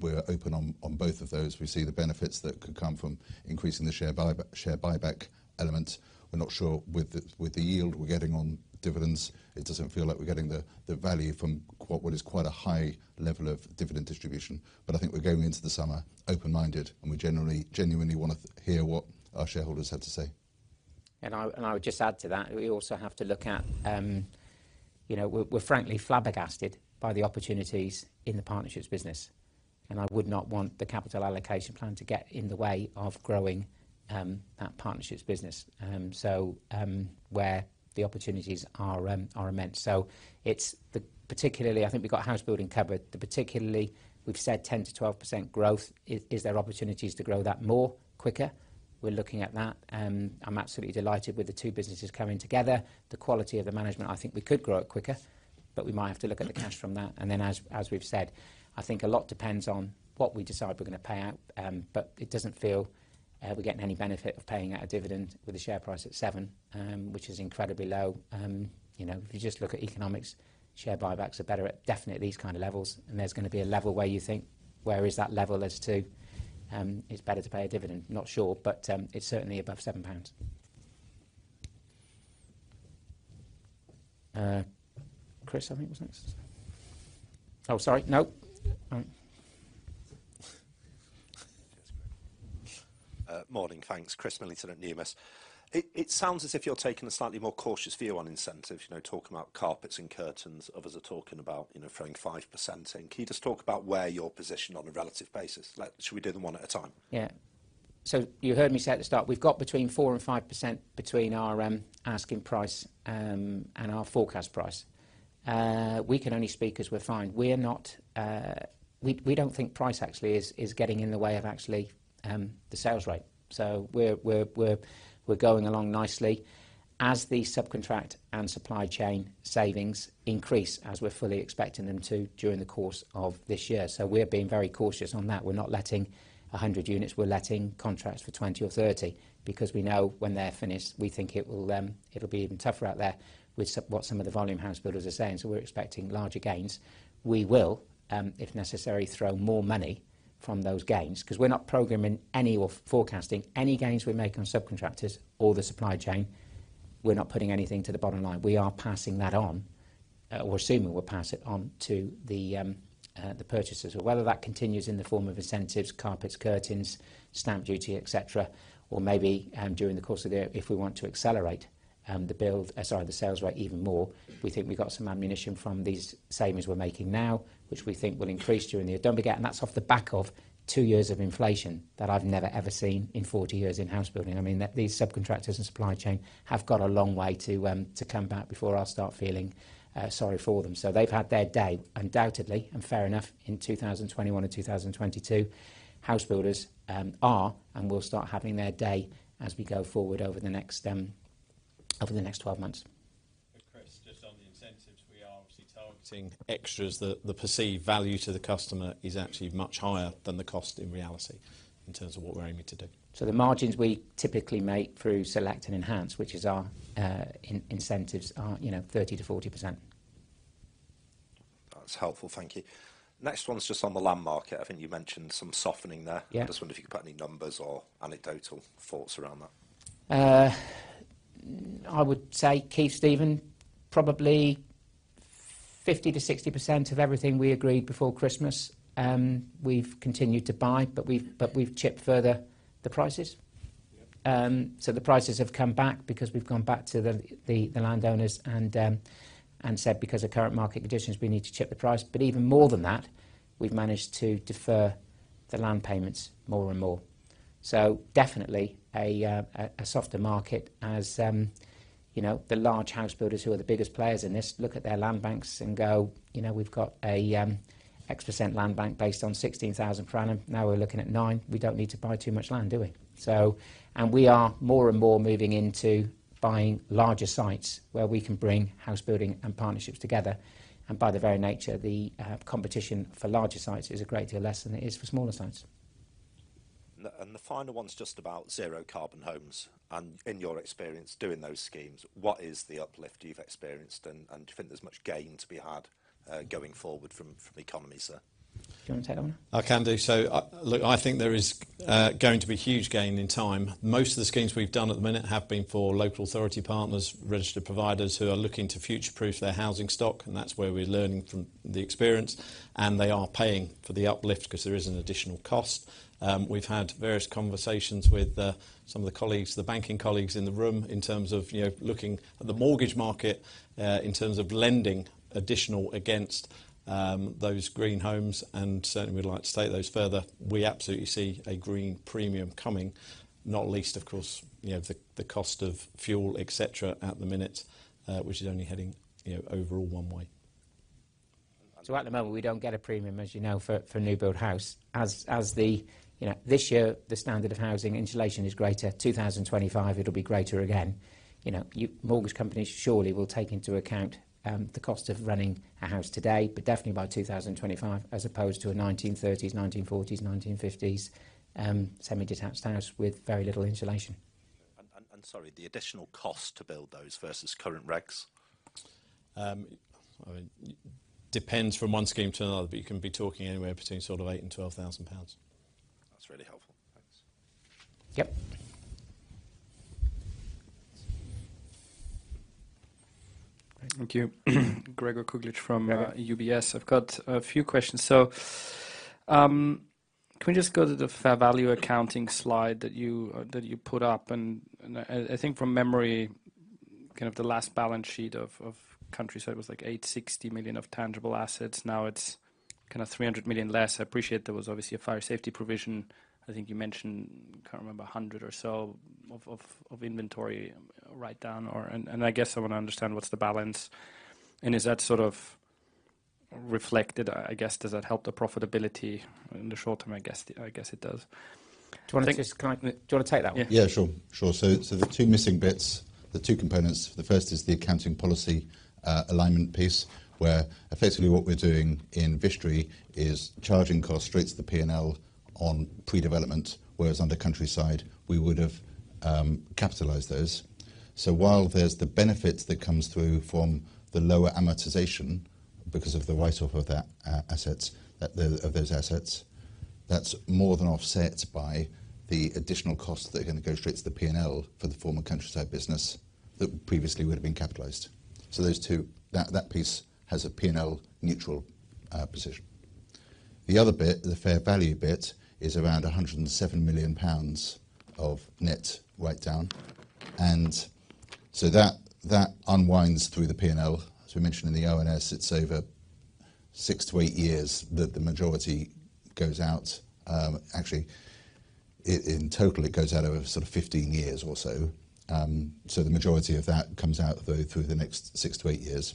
Speaker 2: We're open on both of those. We see the benefits that could come from increasing the share buyback element. We're not sure with the yield we're getting on dividends, it doesn't feel like we're getting the value from what is quite a high level of dividend distribution. I think we're going into the summer open-minded, and we genuinely wanna hear what our shareholders have to say.
Speaker 1: I would just add to that. We also have to look at, you know, we're frankly flabbergasted by the opportunities in the partnerships business, and I would not want the capital allocation plan to get in the way of growing that partnerships business. Where the opportunities are immense. It's particularly, I think we've got housebuilding covered. Particularly, we've said 10%-12% growth. Is there opportunities to grow that more quicker? We're looking at that, and I'm absolutely delighted with the two businesses coming together. The quality of the management, I think we could grow it quicker, but we might have to look at the cash from that. As we've said, I think a lot depends on what we decide we're going to pay out. It doesn't feel we're getting any benefit of paying out a dividend with the share price at 7, which is incredibly low. You know, if you just look at economics, share buybacks are better at, definitely at these kind of levels, and there's gonna be a level where you think, "Where is that level as to, it's better to pay a dividend?" Not sure, it's certainly above 7 pounds. Chris, I think was next. Oh, sorry. No? All right.
Speaker 6: Yes, great. Morning. Thanks. Chris Millington at Numis. It sounds as if you're taking a slightly more cautious view on incentives, you know, talking about carpets and curtains. Others are talking about, you know, throwing 5% in. Can you just talk about where you're positioned on a relative basis? Like, should we do them one at a time?
Speaker 1: You heard me say at the start, we've got between 4% and 5% between our asking price and our forecast price. We can only speak as we're find. We don't think price actually is getting in the way of actually the sales rate. We're going along nicely. As the subcontract and supply chain savings increase, as we're fully expecting them to during the course of this year, we're being very cautious on that. We're not letting 100 units. We're letting contracts for 20 or 30, because we know when they're finished, we think it will, it'll be even tougher out there with what some of the volume house builders are saying, we're expecting larger gains. We will, if necessary, throw more money from those gains, 'cause we're not forecasting any gains we make on subcontractors or the supply chain. We're not putting anything to the bottom line. We are passing that on, or assuming we'll pass it on to the purchasers. Whether that continues in the form of incentives, carpets, curtains, stamp duty, et cetera, or maybe, during the course of the year, if we want to accelerate, sorry, the sales rate even more, we think we got some ammunition from these savings we're making now, which we think will increase during the year. Don't forget, that's off the back of two years of inflation that I've never, ever seen in 40 years in housebuilding. I mean, these subcontractors and supply chain have got a long way to come back before I'll start feeling sorry for them. They've had their day undoubtedly, and fair enough, in 2021 and 2022. House builders are and will start having their day as we go forward over the next 12 months.
Speaker 3: Chris, just on the incentives, we are obviously targeting extras. The perceived value to the customer is actually much higher than the cost in reality, in terms of what we're aiming to do.
Speaker 1: The margins we typically make through select and enhance, which is our in-incentives are, you know, 30%-40%.
Speaker 6: That's helpful. Thank you. Next one is just on the land market. I think you mentioned some softening there.
Speaker 1: Yeah.
Speaker 6: Just wonder if you've got any numbers or anecdotal thoughts around that?
Speaker 1: I would say, Keith, Stephen, probably 50%-60% of everything we agreed before Christmas, we've continued to buy, but we've chipped further the prices.
Speaker 3: Yep.
Speaker 1: The prices have come back because we've gone back to the landowners and said, because of current market conditions, we need to chip the price. Even more than that, we've managed to defer the land payments more and more. Definitely a softer market as, you know, the large house builders who are the biggest players in this look at their land banks and go, "You know, we've got a X% land bank based on 16,000 per annum. Now we're looking at 9. We don't need to buy too much land, do we?" We are more and more moving into buying larger sites where we can bring housebuilding and partnerships together. By their very nature, the competition for larger sites is a great deal less than it is for smaller sites.
Speaker 6: The final one is just about zero carbon homes. In your experience doing those schemes, what is the uplift you've experienced, and do you think there's much gain to be had going forward from economies?
Speaker 1: Do you wanna take that one?
Speaker 3: I can do. Look, I think there is going to be huge gain in time. Most of the schemes we've done at the minute have been for local authority partners, registered providers who are looking to future-proof their housing stock, and that's where we're learning from the experience, and they are paying for the uplift 'cause there is an additional cost. We've had various conversations with some of the colleagues, the banking colleagues in the room in terms of, you know, looking at the mortgage market in terms of lending additional against those green homes, and certainly we'd like to take those further. We absolutely see a green premium coming, not least of course, you know, the cost of fuel, et cetera, at the minute, which is only heading, you know, overall one way.
Speaker 1: At the moment, we don't get a premium, as you know, for a new-build house. As the, you know, this year, the standard of housing insulation is greater. 2025, it'll be greater again. You know, mortgage companies surely will take into account the cost of running a house today, but definitely by 2025, as opposed to a 1930s, 1940s, 1950s, semi-detached house with very little insulation.
Speaker 6: Sorry, the additional cost to build those versus current regs?
Speaker 3: I mean, depends from one scheme to another, but you can be talking anywhere between sort of 8,000 and 12,000 pounds.
Speaker 6: That's really helpful. Thanks.
Speaker 1: Yep.
Speaker 7: Thank you. Gregor Kuglitsch from UBS. I've got a few questions. Can we just go to the fair value accounting slide that you that you put up? I think from memory, kind of the last balance sheet of Countryside was like 860 million of tangible assets, now it's kind of 300 million less. I appreciate there was obviously a fire safety provision. I think you mentioned, can't remember, 100 or so inventory write-down or... I guess I wanna understand what's the balance, and is that sort of reflected, I guess? Does that help the profitability in the short term? I guess it does.
Speaker 1: Do you wanna just-
Speaker 2: I think-
Speaker 1: Do you wanna take that one?
Speaker 2: Yeah. Sure. Sure. The two missing bits, the two components. The first is the accounting policy alignment piece, where effectively what we're doing in Vistry is charging costs straight to the P&L on pre-development, whereas on the Countryside, we would've capitalized those. While there's the benefits that comes through from the lower amortization because of the write-off of that assets, of those assets, that's more than offset by the additional costs that are gonna go straight to the P&L for the former Countryside business that previously would've been capitalized. Those two, that piece has a P&L neutral position. The other bit, the fair value bit, is around 107 million pounds of net write-down. That unwinds through the P&L. As we mentioned in the RNS, it's over six to eight years that the majority goes out. Actually, in total it goes out over sort of 15 years or so. The majority of that comes out through the next 6-8 years.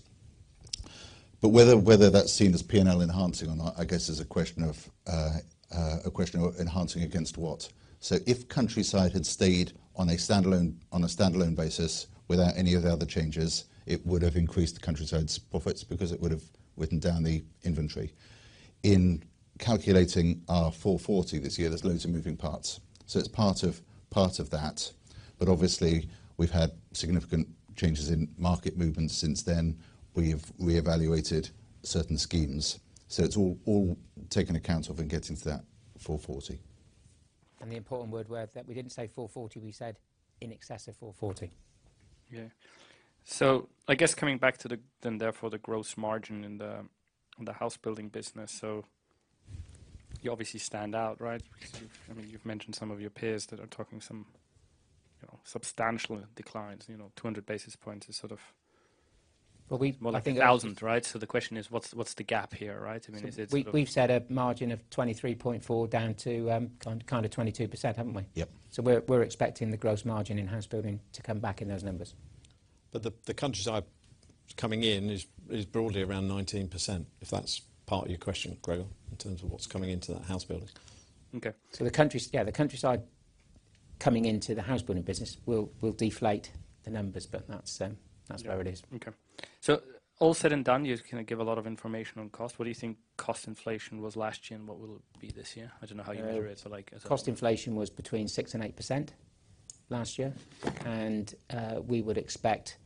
Speaker 2: Whether that's seen as P&L enhancing or not, I guess, is a question of a question of enhancing against what. If Countryside had stayed on a standalone basis without any of the other changes, it would've increased Countryside's profits because it would've widened down the inventory. In calculating our 440 this year, there's loads of moving parts, it's part of that. Obviously we've had significant changes in market movements since then. We've reevaluated certain schemes. It's all taken account of and gets into that 440.
Speaker 1: The important word there is that we didn't say 440, we said in excess of 440.
Speaker 7: I guess coming back to the gross margin in the housebuilding business. You obviously stand out, right? Because you've, I mean, you've mentioned some of your peers that are talking some, you know, substantial declines. You know, 200 basis points is sort of-
Speaker 1: Well.
Speaker 7: More like 1,000, right? The question is, what's the gap here, right? I mean, is it-
Speaker 1: We've set a margin of 23.4 down to, kind of 22%, haven't we?
Speaker 2: Yep.
Speaker 1: We're expecting the gross margin in housebuilding to come back in those numbers.
Speaker 2: The Countryside coming in is broadly around 19%, if that's part of your question, Gregor, in terms of what's coming into that housebuilding.
Speaker 7: Okay.
Speaker 1: Yeah, the Countryside coming into the housebuilding business will deflate the numbers, but that's where it is.
Speaker 7: Okay. All said and done, you just kinda give a lot of information on cost. What do you think cost inflation was last year, and what will it be this year? I don't know how you measure it.
Speaker 1: Cost inflation was between 6% and 8% last year. We would expect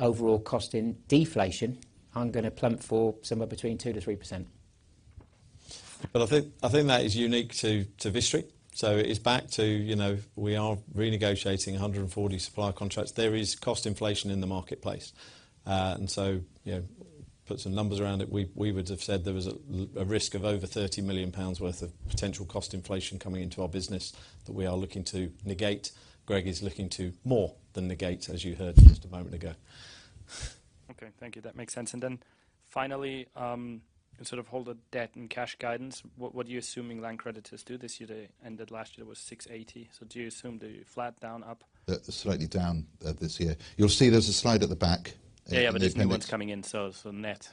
Speaker 1: overall cost in deflation, I'm gonna plump for somewhere between 2%-3%.
Speaker 2: I think that is unique to Vistry. It is back to, you know, we are renegotiating 140 supplier contracts. There is cost inflation in the marketplace. You know, put some numbers around it. We would have said there was a risk of over 30 million pounds worth of potential cost inflation coming into our business that we are looking to negate. Greg is looking to more than negate, as you heard just a moment ago.
Speaker 7: Okay. Thank you. That makes sense. Finally, in sort of hold a debt and cash guidance, what are you assuming land creditors do this year? They ended last year was 680. Do you assume they flat down, up?
Speaker 2: Slightly down this year. You'll see there's a slide at the back in appendix-
Speaker 7: Yeah. It's new ones coming in, so net.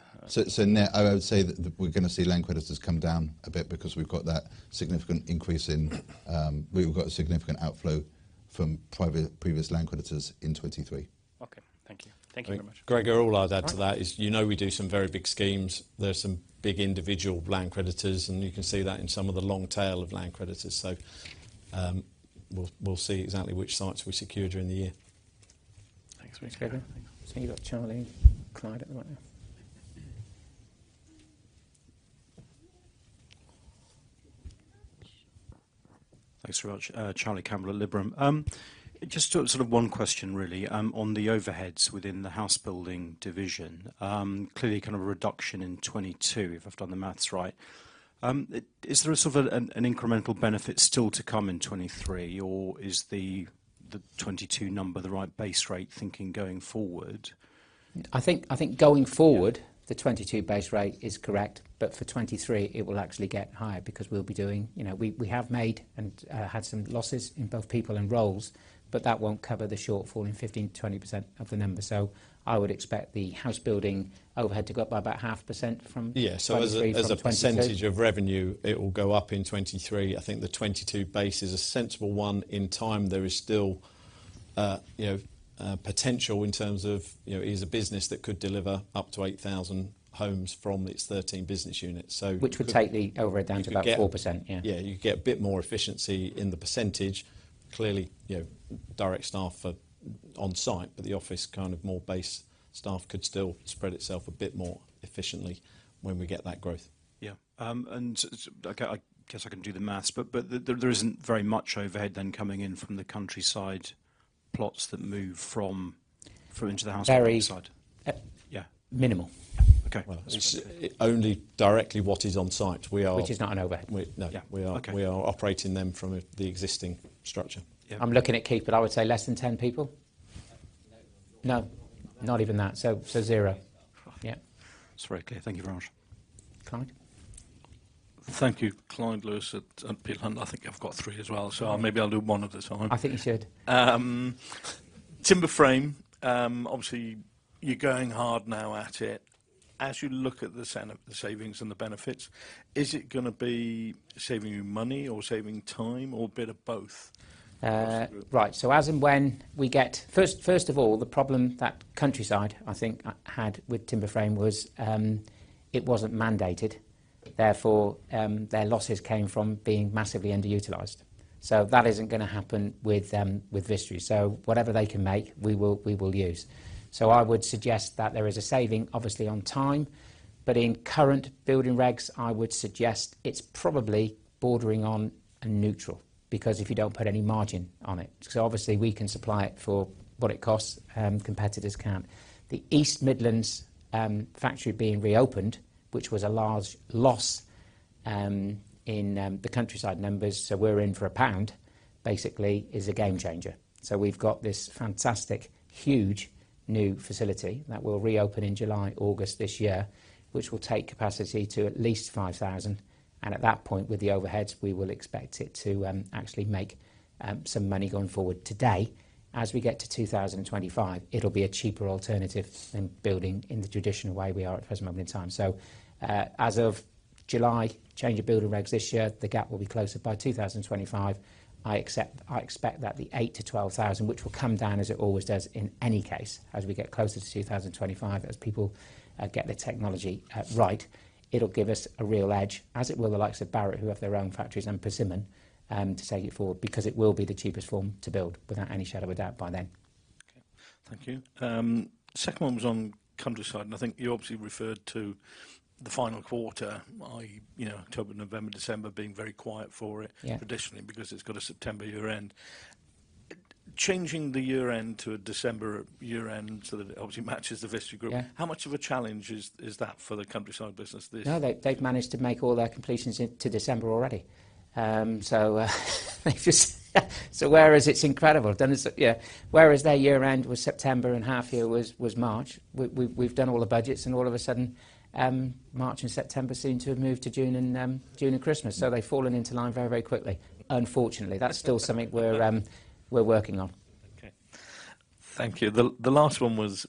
Speaker 2: Net, I would say we're gonna see land creditors come down a bit because we've got that significant increase in, we've got a significant outflow from previous land creditors in 2023.
Speaker 7: Okay. Thank you. Thank you very much.
Speaker 2: Greg, all I'll add to that-
Speaker 1: Right
Speaker 2: is you know we do some very big schemes. There are some big individual land creditors, you can see that in some of the long tail of land creditors. We'll see exactly which sites we secure during the year.
Speaker 7: Thanks very much, Gregor.
Speaker 1: I see you've got Charlie, Clyde at the moment.
Speaker 8: Thanks very much. Charlie Campbell at Liberum. Just sort of one question really, on the overheads within the housebuilding division. Clearly kind of a reduction in 2022, if I've done the math right. Is there a sort of an incremental benefit still to come in 2023, or is the 2022 number the right base rate thinking going forward?
Speaker 1: I think going forward.
Speaker 8: Yeah
Speaker 1: ...the 2022 base rate is correct. For 2023 it will actually get higher because we'll be doing... We have made and had some losses in both people and roles, that won't cover the shortfall in 15%-20% of the number. I would expect the housebuilding overhead to go up by about 0.5% from 2023 from 2022.
Speaker 2: Yeah. As a % of revenue, it will go up in 2023. I think the 2022 base is a sensible one. In time, there is still, you know, potential in terms of, you know, it is a business that could deliver up to 8,000 homes from its 13 business units.
Speaker 1: Would take the overhead down to about 4%. Yeah.
Speaker 2: Yeah. You get a bit more efficiency in the percentage. Clearly, you know, direct staff are on-site, but the office kind of more base staff could still spread itself a bit more efficiently when we get that growth.
Speaker 8: Yeah. I guess I can do the math, but there isn't very much overhead then coming in from the Countryside plots that move through into the housebuilding side.
Speaker 1: Very-
Speaker 8: Yeah.
Speaker 1: Minimal.
Speaker 8: Yeah.
Speaker 1: Okay.
Speaker 9: Well, it's only directly what is on site.
Speaker 1: Which is not an overhead.
Speaker 9: No.
Speaker 1: Yeah.
Speaker 9: We are-
Speaker 1: Okay.
Speaker 9: We are operating them from the existing structure.
Speaker 1: Yeah. I'm looking at Keith, but I would say less than 10 people. No. No. Not even that. Zero. Yeah. Yeah.
Speaker 8: That's very clear. Thank you very much.
Speaker 1: Clyde.
Speaker 10: Thank you. Clyde Lewis at Peel Hunt. I think I've got three as well. I'll maybe I'll do one at a time.
Speaker 1: I think you should.
Speaker 10: Timber frame, obviously you're going hard now at it. As you look at the savings and the benefits, is it gonna be saving you money or saving time or a bit of both?
Speaker 1: Right. As and when we get... First, first of all, the problem that Countryside, I think, had with timber frame was, it wasn't mandated, therefore, their losses came from being massively underutilized. That isn't gonna happen with Vistry. Whatever they can make, we will use. I would suggest that there is a saving obviously on time, but in current building regs, I would suggest it's probably bordering on a neutral because if you don't put any margin on it. 'Cause obviously we can supply it for what it costs, competitors can't. The East Midlands factory being reopened, which was a large loss in the Countryside numbers, so we're in for a pound, basically is a game changer. We've got this fantastic, huge new facility that will reopen in July, August this year, which will take capacity to at least 5,000, and at that point, with the overheads, we will expect it to actually make some money going forward. Today, as we get to 2025, it'll be a cheaper alternative than building in the traditional way we are at present moment in time. As of July, change of building regs this year, the gap will be closer. By 2025, I expect that the 8,000-12,000, which will come down as it always does in any case, as we get closer to 2025, as people get the technology right, it'll give us a real edge, as it will the likes of Barratt, who have their own factories and Persimmon, to take it forward, because it will be the cheapest form to build without any shadow of a doubt by then.
Speaker 10: Okay. Thank you. Second one was on Countryside, and I think you obviously referred to the final quarter, i.e., you know, October, November, December being very quiet for.
Speaker 1: Yeah
Speaker 10: ...traditionally because it's got a September year end. Changing the year end to a December year end, so that it obviously matches the Vistry Group-
Speaker 1: Yeah
Speaker 10: how much of a challenge is that for the Countryside business?
Speaker 1: No. They've managed to make all their completions into December already. Whereas it's incredible, don't it? Yeah. Whereas their year end was September and half year was March, we've done all the budgets and all of a sudden, March and September seem to have moved to June and June and Christmas. They've fallen into line very, very quickly. Unfortunately, that's still something we're working on.
Speaker 10: Okay. Thank you. The last one was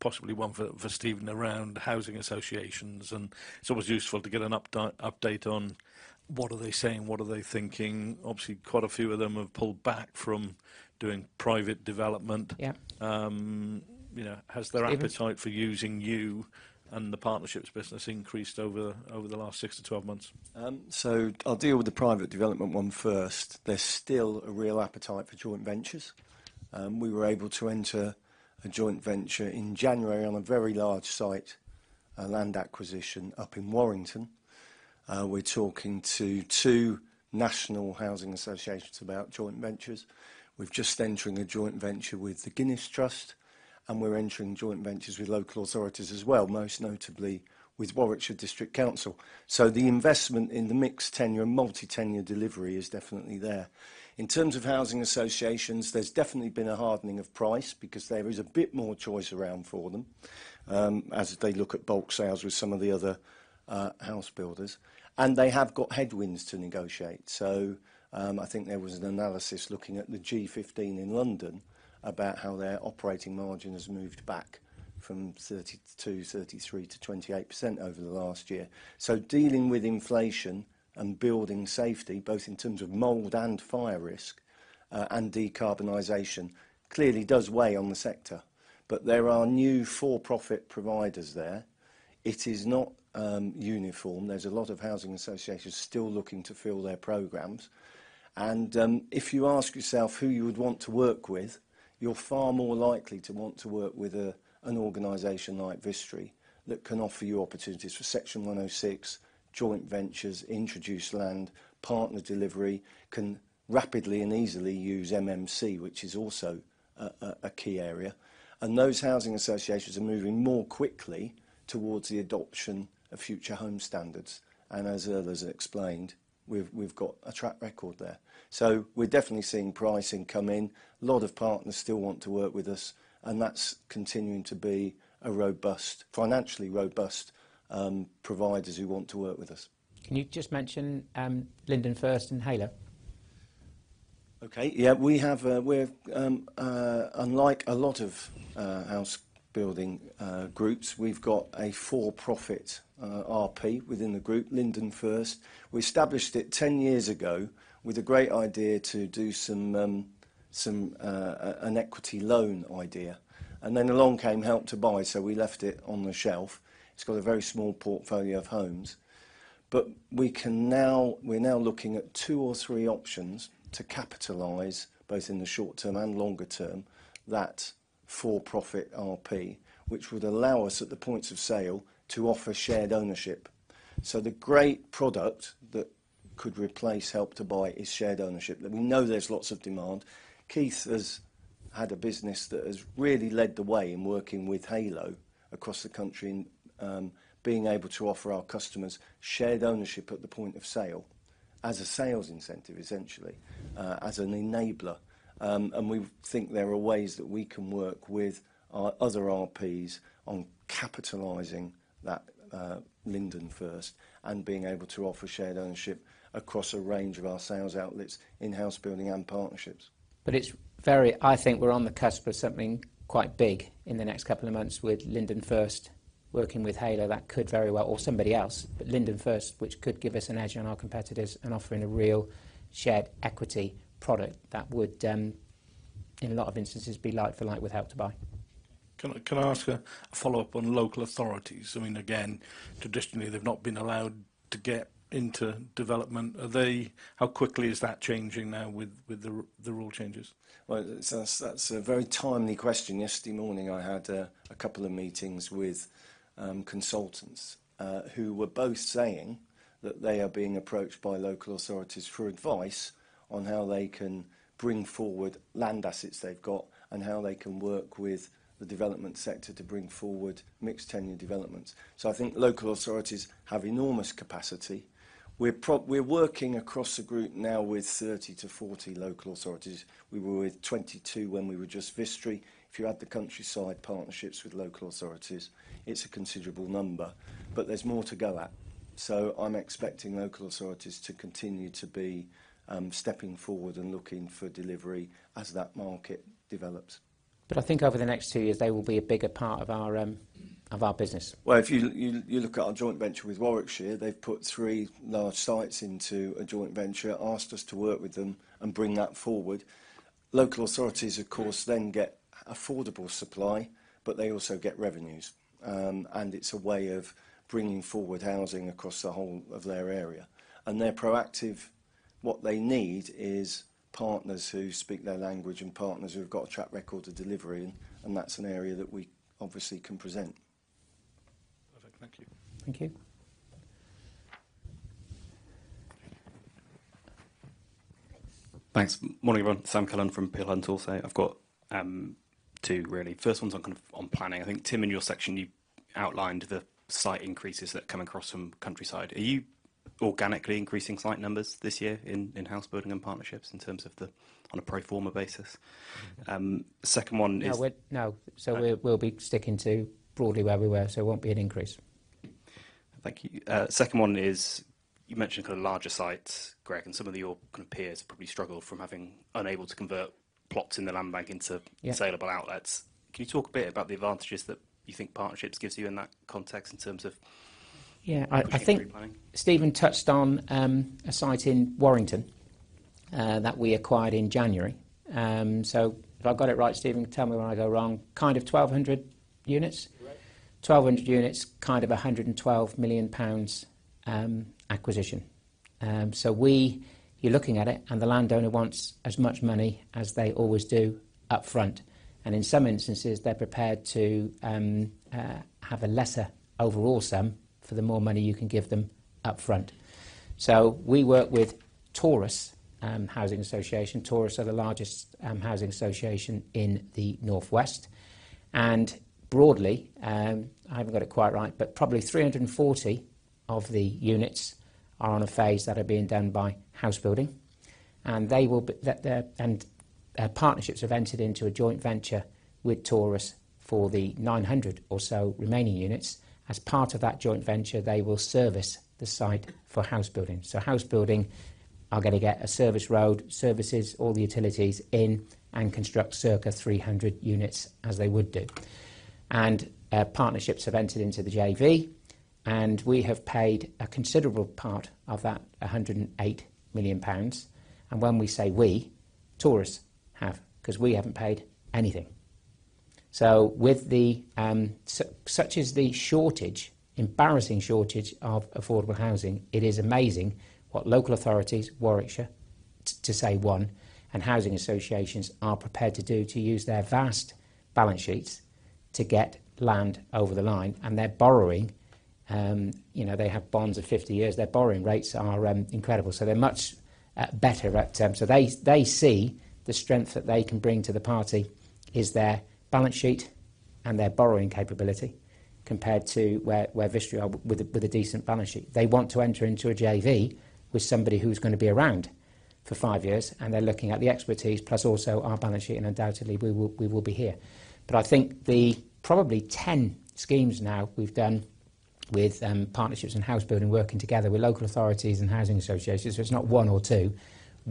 Speaker 10: possibly one for Stephen around housing associations. It's always useful to get an update on what are they saying, what are they thinking. Obviously, quite a few of them have pulled back from doing private development.
Speaker 1: Yeah.
Speaker 10: you know, has their appetite.
Speaker 1: Stephen
Speaker 10: ...for using you and the partnerships business increased over the last 6-12 months?
Speaker 9: I'll deal with the private development one first. There's still a real appetite for joint ventures. We were able to enter a joint venture in January on a very large site, a land acquisition up in Warrington. We're talking to two national housing associations about joint ventures. We're just entering a joint venture with The Guinness Trust, we're entering joint ventures with local authorities as well, most notably with Warwick District Council. The investment in the mixed-tenure and multi-tenure delivery is definitely there. In terms of housing associations, there's definitely been a hardening of price because there is a bit more choice around for them, as they look at bulk sales with some of the other house builders. They have got headwinds to negotiate. I think there was an analysis looking at the G15 in London about how their operating margin has moved back from 32, 33 to 28% over the last year. Dealing with inflation and building safety, both in terms of mold and fire risk, and decarbonization, clearly does weigh on the sector. There are new for-profit providers there. It is not uniform. There's a lot of housing associations still looking to fill their programs. If you ask yourself who you would want to work with, you're far more likely to want to work with an organization like Vistry that can offer you opportunities for Section 106, joint ventures, introduce land, partner delivery, can rapidly and easily use MMC, which is also a key area. Those housing associations are moving more quickly towards the adoption of future home standards. As others explained, we've got a track record there. We're definitely seeing pricing come in. A lot of partners still want to work with us, and that's continuing to be a robust, financially robust, providers who want to work with us.
Speaker 1: Can you just mention, Linden First and Heylo?
Speaker 9: Okay. Yeah. We have, we're, unlike a lot of housebuilding groups, we've got a for-profit RP within the group, Linden First. We established it 10 years ago with a great idea to do some an equity loan idea. Then along came Help to Buy, so we left it on the shelf. It's got a very small portfolio of homes. We're now looking at two or three options to capitalize, both in the short term and longer term, that for-profit RP, which would allow us at the points of sale to offer shared ownership. The great product that could replace Help to Buy is shared ownership. That we know there's lots of demand. Keith has had a business that has really led the way in working with Heylo across the country and, being able to offer our customers shared ownership at the point of sale as a sales incentive, essentially, as an enabler. We think there are ways that we can work with our other RPs on capitalizing that, Linden First and being able to offer shared ownership across a range of our sales outlets in housebuilding and partnerships.
Speaker 1: I think we're on the cusp of something quite big in the next couple of months with Linden First working with Heylo. That could very well or somebody else, but Linden First, which could give us an edge on our competitors and offering a real shared-equity product that would, in a lot of instances be like for like with Help to Buy.
Speaker 10: Can I ask a follow-up on local authorities? I mean, again, traditionally, they've not been allowed to get into development. How quickly is that changing now with the rule changes?
Speaker 9: That's a very timely question. Yesterday morning, I had a couple of meetings with consultants who were both saying that they are being approached by local authorities for advice on how they can bring forward land assets they've got and how they can work with the development sector to bring forward mixed-tenure developments. I think local authorities have enormous capacity. We're working across the group now with 30 to 40 local authorities. We were with 22 when we were just Vistry. If you add the Countryside Partnerships with local authorities, it's a considerable number, but there's more to go at. I'm expecting local authorities to continue to be stepping forward and looking for delivery as that market develops.
Speaker 1: I think over the next two years, they will be a bigger part of our of our business.
Speaker 9: Well, if you look at our joint venture with Warwickshire, they've put three large sites into a joint venture, asked us to work with them and bring that forward. Local authorities, of course, then get affordable supply, but they also get revenues. It's a way of bringing forward housing across the whole of their area. They're proactive. What they need is partners who speak their language and partners who have got a track record of delivery, and that's an area that we obviously can present.
Speaker 10: Perfect. Thank you.
Speaker 1: Thank you.
Speaker 11: Thanks. Morning, everyone. Sam Cullen from Peel Hunt also. I've got two really. First one's on kind of on planning. I think, Tim, in your section, you outlined the site increases that come across from Countryside. Are you organically increasing site numbers this year in housebuilding and partnerships in terms of the, on a pro forma basis? Second one is-
Speaker 1: No. No.
Speaker 11: Okay.
Speaker 1: We'll be sticking to broadly where we were, so it won't be an increase.
Speaker 11: Thank you. Second one is, you mentioned kind of larger sites, Greg, and some of your kind of peers probably struggle from having unable to convert plots in the land bank into-
Speaker 1: Yeah.
Speaker 11: -saleable outlets. Can you talk a bit about the advantages that you think Partnerships gives you in that context in terms of-
Speaker 1: Yeah.
Speaker 11: -preplanning?
Speaker 1: I think Stephen touched on, a site in Warrington, that we acquired in January. If I've got it right, Stephen, tell me when I go wrong. Kind of 1,200 units?
Speaker 9: Correct.
Speaker 1: 1,200 units, kind of 112 million pounds acquisition. We, you're looking at it, the landowner wants as much money as they always do up front. In some instances, they're prepared to have a lesser overall sum for the more money you can give them up front. We work with Torus Housing Association. Torus are the largest housing association in the Northwest. Broadly, I haven't got it quite right, but probably 340 of the units are on a phase that are being done by housebuilding. They're and Partnerships have entered into a joint venture with Torus for the 900 or so remaining units. As part of that joint venture, they will service the site for housebuilding. Housebuilding are going to get a service road, services, all the utilities in and construct circa 300 units as they would do. Partnerships have entered into the JV, and we have paid a considerable part of that 108 million pounds. When we say we, Torus have, because we haven't paid anything. With the such is the shortage, embarrassing shortage of affordable housing, it is amazing what local authorities, Warwickshire, to say one, and housing associations are prepared to do to use their vast balance sheets to get land over the line. They're borrowing, you know, they have bonds of 50 years. Their borrowing rates are incredible, so they're much better at... They see the strength that they can bring to the party is their balance sheet and their borrowing capability compared to where Vistry are with a decent balance sheet. They want to enter into a JV with somebody who's gonna be around for five years, and they're looking at the expertise plus also our balance sheet, and undoubtedly we will be here. I think the probably 10 schemes now we've done with Partnerships and housebuilding, working together with local authorities and housing associations, so it's not one or two.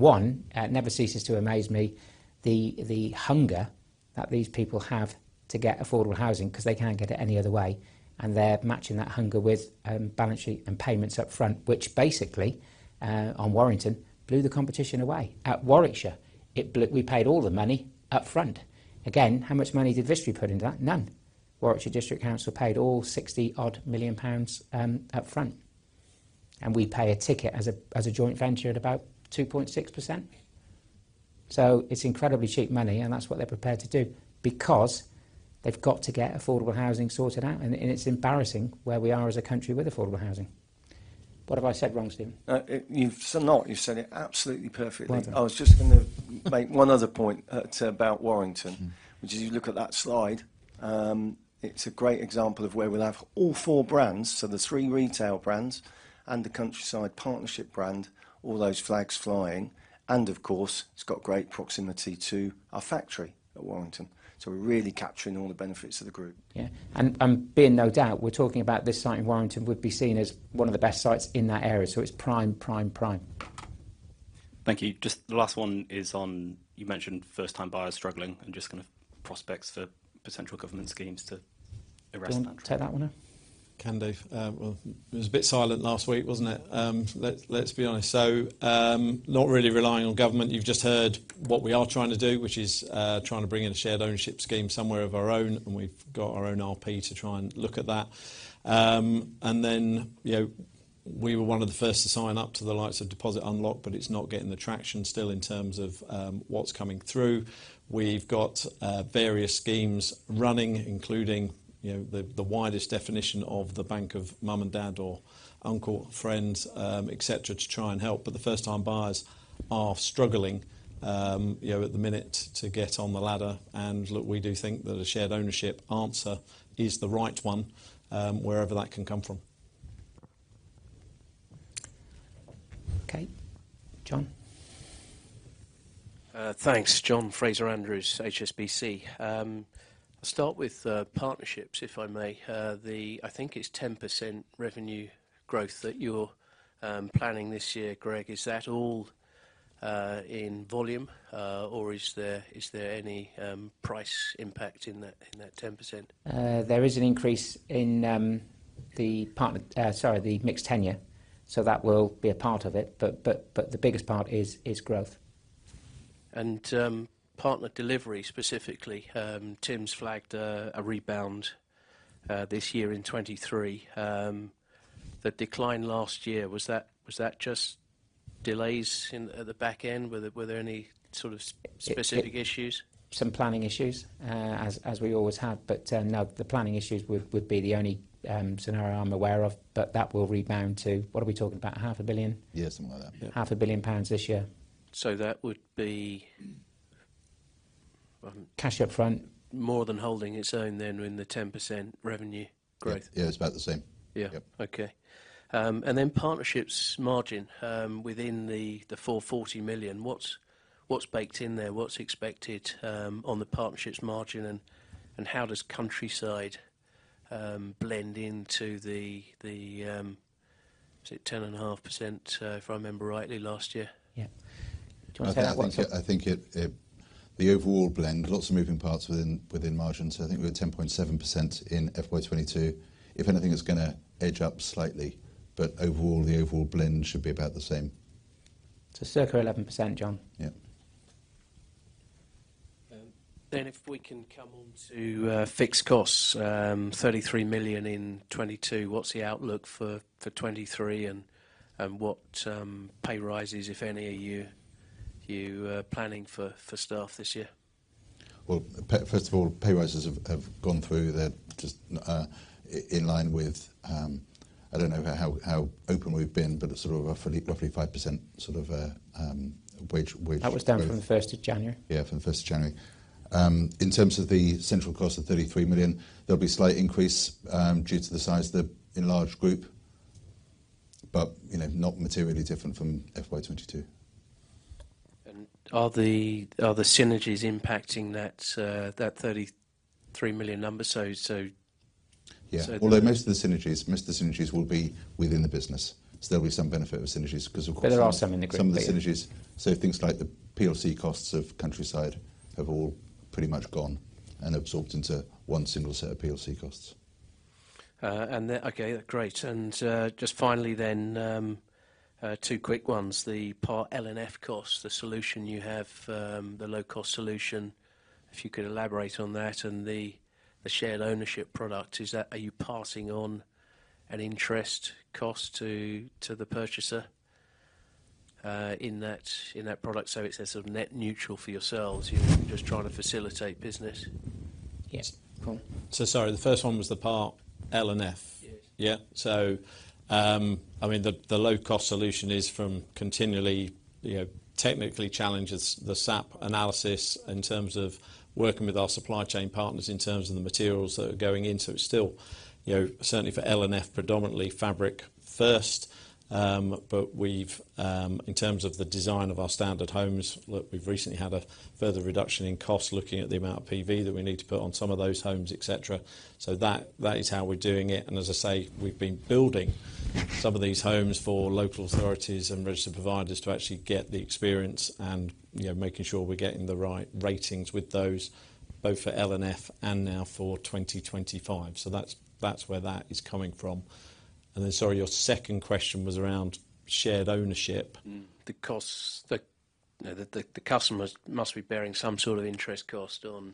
Speaker 1: It never ceases to amaze me the hunger that these people have to get affordable housing 'cause they can't get it any other way, and they're matching that hunger with balance sheet and payments up front, which basically on Warrington blew the competition away. At Warwickshire, we paid all the money up front. How much money did Vistry put into that? None. Warwick District Council paid all 60 odd million up front. We pay a ticket as a joint venture at about 2.6%. It's incredibly cheap money, and that's what they're prepared to do because they've got to get affordable housing sorted out, and it's embarrassing where we are as a country with affordable housing. What have I said wrong, Stephen?
Speaker 9: You've so not. You've said it absolutely perfectly.
Speaker 1: Right.
Speaker 3: I was just gonna make one other point, to about Warrington.
Speaker 1: Mm-hmm.
Speaker 3: Which is if you look at that slide, it's a great example of where we'll have all four brands, so the three retail brands and the Countryside Partnerships brand, all those flags flying. Of course, it's got great proximity to our factory at Warrington. We're really capturing all the benefits of the group.
Speaker 1: Yeah. Be in no doubt, we're talking about this site in Warrington would be seen as one of the best sites in that area, it's prime, prime.
Speaker 11: Thank you. Just the last one is on, you mentioned first-time buyers struggling and just kind of prospects for potential government schemes to address that.
Speaker 1: Do you wanna take that one now?
Speaker 3: Can do. Well, it was a bit silent last week, wasn't it? Let's be honest. Not really relying on government. You've just heard what we are trying to do, which is trying to bring in a shared ownership scheme somewhere of our own, and we've got our own RP to try and look at that. Then, you know, we were one of the first to sign up to the likes of Deposit Unlock, but it's not getting the traction still in terms of what's coming through. We've got various schemes running, including, you know, the widest definition of the bank of mum and dad or uncle, friends, et cetera, to try and help. The first-time buyers are struggling, you know, at the minute to get on the ladder. Look, we do think that a shared ownership answer is the right one, wherever that can come from.
Speaker 1: Okay. John?
Speaker 12: Thanks. John Fraser-Andrews, HSBC. Start with partnerships, if I may. I think it's 10% revenue growth that you're planning this year. Greg, is that all in volume, or is there any price impact in that 10%?
Speaker 1: There is an increase in, sorry, the mixed tenure, so that will be a part of it. The biggest part is growth.
Speaker 12: Partner delivery, specifically, Tim's flagged a rebound this year in 2023. The decline last year, was that just delays in the back end? Were there any sort of specific issues?
Speaker 1: Some planning issues, as we always have. No, the planning issues would be the only scenario I'm aware of. That will rebound to, what are we talking about? GBP half a billion?
Speaker 3: Yeah, something like that. Yeah.
Speaker 1: Half a billion pounds this year.
Speaker 12: That would be...
Speaker 1: Cash up front.
Speaker 12: More than holding its own then in the 10% revenue growth.
Speaker 3: Yeah. Yeah, it's about the same.
Speaker 12: Yeah.
Speaker 3: Yep.
Speaker 12: Okay. Partnerships margin, within the 440 million, what's baked in there? What's expected on the partnerships margin, and how does Countryside blend into the, is it 10.5%, if I remember rightly last year?
Speaker 1: Yeah. Do you want to take that one Tim?
Speaker 2: I think it, the overall blend, lots of moving parts within margins. I think we're at 10.7% in FY 2022. If anything, it's gonna edge up slightly. Overall, the overall blend should be about the same.
Speaker 1: circa 11%, John.
Speaker 3: Yeah.
Speaker 12: If we can come on to fixed costs. 33 million in 2022. What's the outlook for 2023 and what pay rises, if any, are you planning for staff this year?
Speaker 3: Well, first of all, pay rises have gone through. They're just in line with, I don't know how open we've been, but sort of roughly 5% sort of wage growth.
Speaker 1: That was down from the January 1st.
Speaker 3: From the January 1st. In terms of the central cost of 33 million, there'll be slight increase due to the size of the enlarged group, but, you know, not materially different from FY 2022.
Speaker 12: Are the synergies impacting that 33 million number?
Speaker 3: Yeah. Although most of the synergies will be within the business. There'll be some benefit with synergies.
Speaker 1: There are some in the group, yeah.
Speaker 3: ...some of the synergies. Things like the PLC costs of Countryside have all pretty much gone and absorbed into one single set of PLC costs.
Speaker 12: Okay, great. Just finally then, two quick ones. The Part L and F cost, the solution you have, the low-cost solution, if you could elaborate on that. The shared ownership product, is that, are you passing on an interest cost to the purchaser in that product, so it's a sort of net neutral for yourselves? You're just trying to facilitate business.
Speaker 1: Yes. Go on.
Speaker 3: Sorry, the first one was the Part L and F.
Speaker 12: Yes.
Speaker 3: I mean, the low-cost solution is from continually, you know, technically challenges the SAP analysis in terms of working with our supply chain partners in terms of the materials that are going in. It's still, you know, certainly for L and F, predominantly fabric first. We've, in terms of the design of our standard homes, look, we've recently had a further reduction in cost looking at the amount of PV that we need to put on some of those homes, et cetera. That is how we're doing it. As I say, we've been building some of these homes for local authorities and registered providers to actually get the experience and, you know, making sure we're getting the right ratings with those, both for L and F and now for 2025. That's where that is coming from. Sorry, your second question was around shared ownership.
Speaker 12: The costs, you know, the customers must be bearing some sort of interest cost on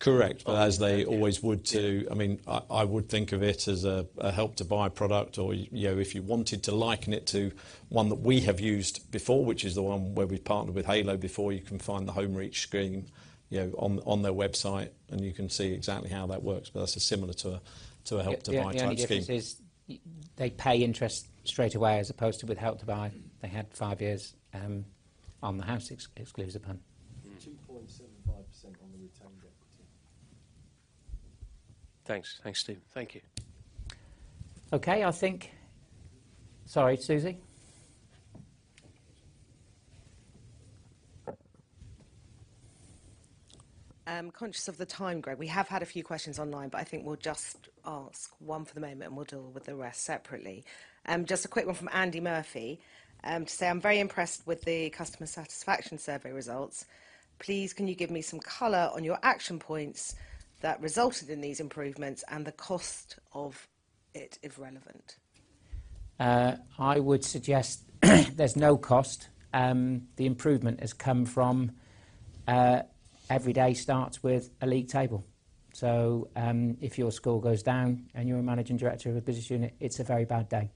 Speaker 3: Correct. As they always would. I mean, I would think of it as a Help to Buy product or, you know, if you wanted to liken it to one that we have used before, which is the one where we partnered with Heylo before, you can find the Home Reach scheme, you know, on their website. You can see exactly how that works. That's similar to a Help to Buy type scheme.
Speaker 1: The only difference is they pay interest straight away as opposed to with Help to Buy. They had five years on the house exclusive upon.
Speaker 3: Mm.
Speaker 9: 2.75% on the retained equity.
Speaker 3: Thanks. Thanks, Steve. Thank you.
Speaker 1: Sorry, Susie.
Speaker 13: Conscious of the time, Greg. We have had a few questions online. I think we'll just ask one for the moment, and we'll deal with the rest separately. Just a quick one from Andy Murphy, to say, "I'm very impressed with the customer satisfaction survey results. Please, can you give me some color on your action points that resulted in these improvements and the cost of it, if relevant?
Speaker 1: I would suggest there's no cost. The improvement has come from every day starts with a league table. If your score goes down and you're a managing director of a business unit, it's a very bad day.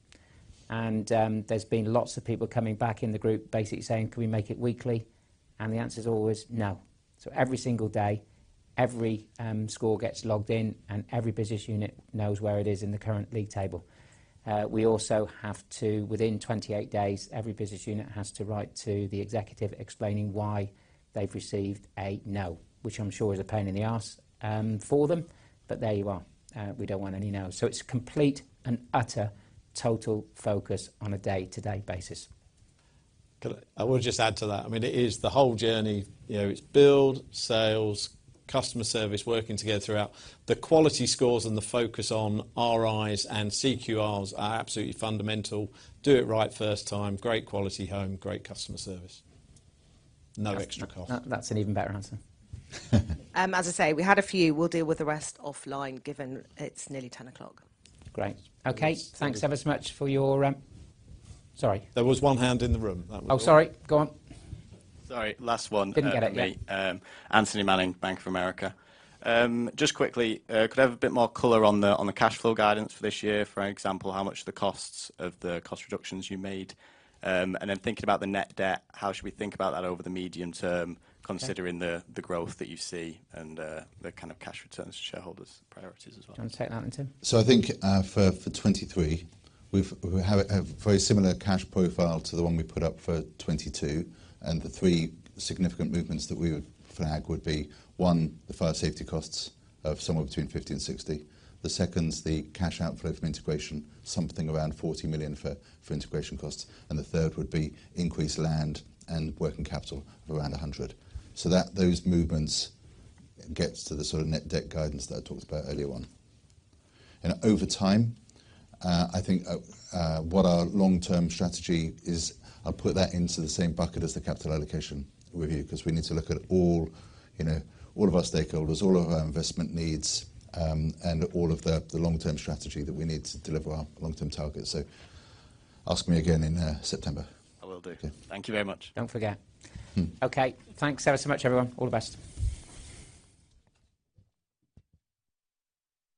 Speaker 1: There's been lots of people coming back in the group basically saying, "Can we make it weekly?" The answer is always no. Every single day, every score gets logged in, and every business unit knows where it is in the current league table. We also have to, within 28 days, every business unit has to write to the executive explaining why they've received a no, which I'm sure is a pain in the ass for them, but there you are. We don't want any no. It's complete and utter total focus on a day-to-day basis.
Speaker 3: I would just add to that. I mean, it is the whole journey. You know, it's build, sales, customer service working together throughout. The quality scores and the focus on RIs and CQRIs are absolutely fundamental. Do it right first time, great quality home, great customer service. No extra cost.
Speaker 1: That's an even better answer.
Speaker 13: As I say, we had a few. We'll deal with the rest offline, given it's nearly 10:00.
Speaker 1: Great. Okay. Thanks ever so much for your... Sorry.
Speaker 3: There was one hand in the room. That was all.
Speaker 1: Oh, sorry. Go on.
Speaker 14: Sorry, last one.
Speaker 1: Didn't get it yet.
Speaker 14: Me, Anthony Manning, Bank of America. Just quickly, could I have a bit more color on the cash flow guidance for this year? For example, how much the costs of the cost reductions you made? Then thinking about the net debt, how should we think about that over the medium term, considering the growth that you see and the kind of cash returns to shareholders priorities as well?
Speaker 1: Do you want to take that one, Tim?
Speaker 2: I think, for 23, we have a very similar cash profile to the one we put up for 22, and the three significant movements that we would flag would be, one, the fire safety costs of somewhere between 50 million and 60 million. The second is the cash outflow from integration, something around 40 million for integration costs. The third would be increased land and working capital of around 100 million. That, those movements get to the sort of net debt guidance that I talked about earlier on. Over time, I think, what our long-term strategy is, I'll put that into the same bucket as the capital allocation review 'cause we need to look at all, you know, all of our stakeholders, all of our investment needs, and all of the long-term strategy that we need to deliver our long-term targets. Ask me again in September.
Speaker 14: I will do.
Speaker 2: Okay.
Speaker 14: Thank you very much.
Speaker 1: Don't forget.
Speaker 2: Hmm.
Speaker 1: Okay. Thanks ever so much, everyone. All the best.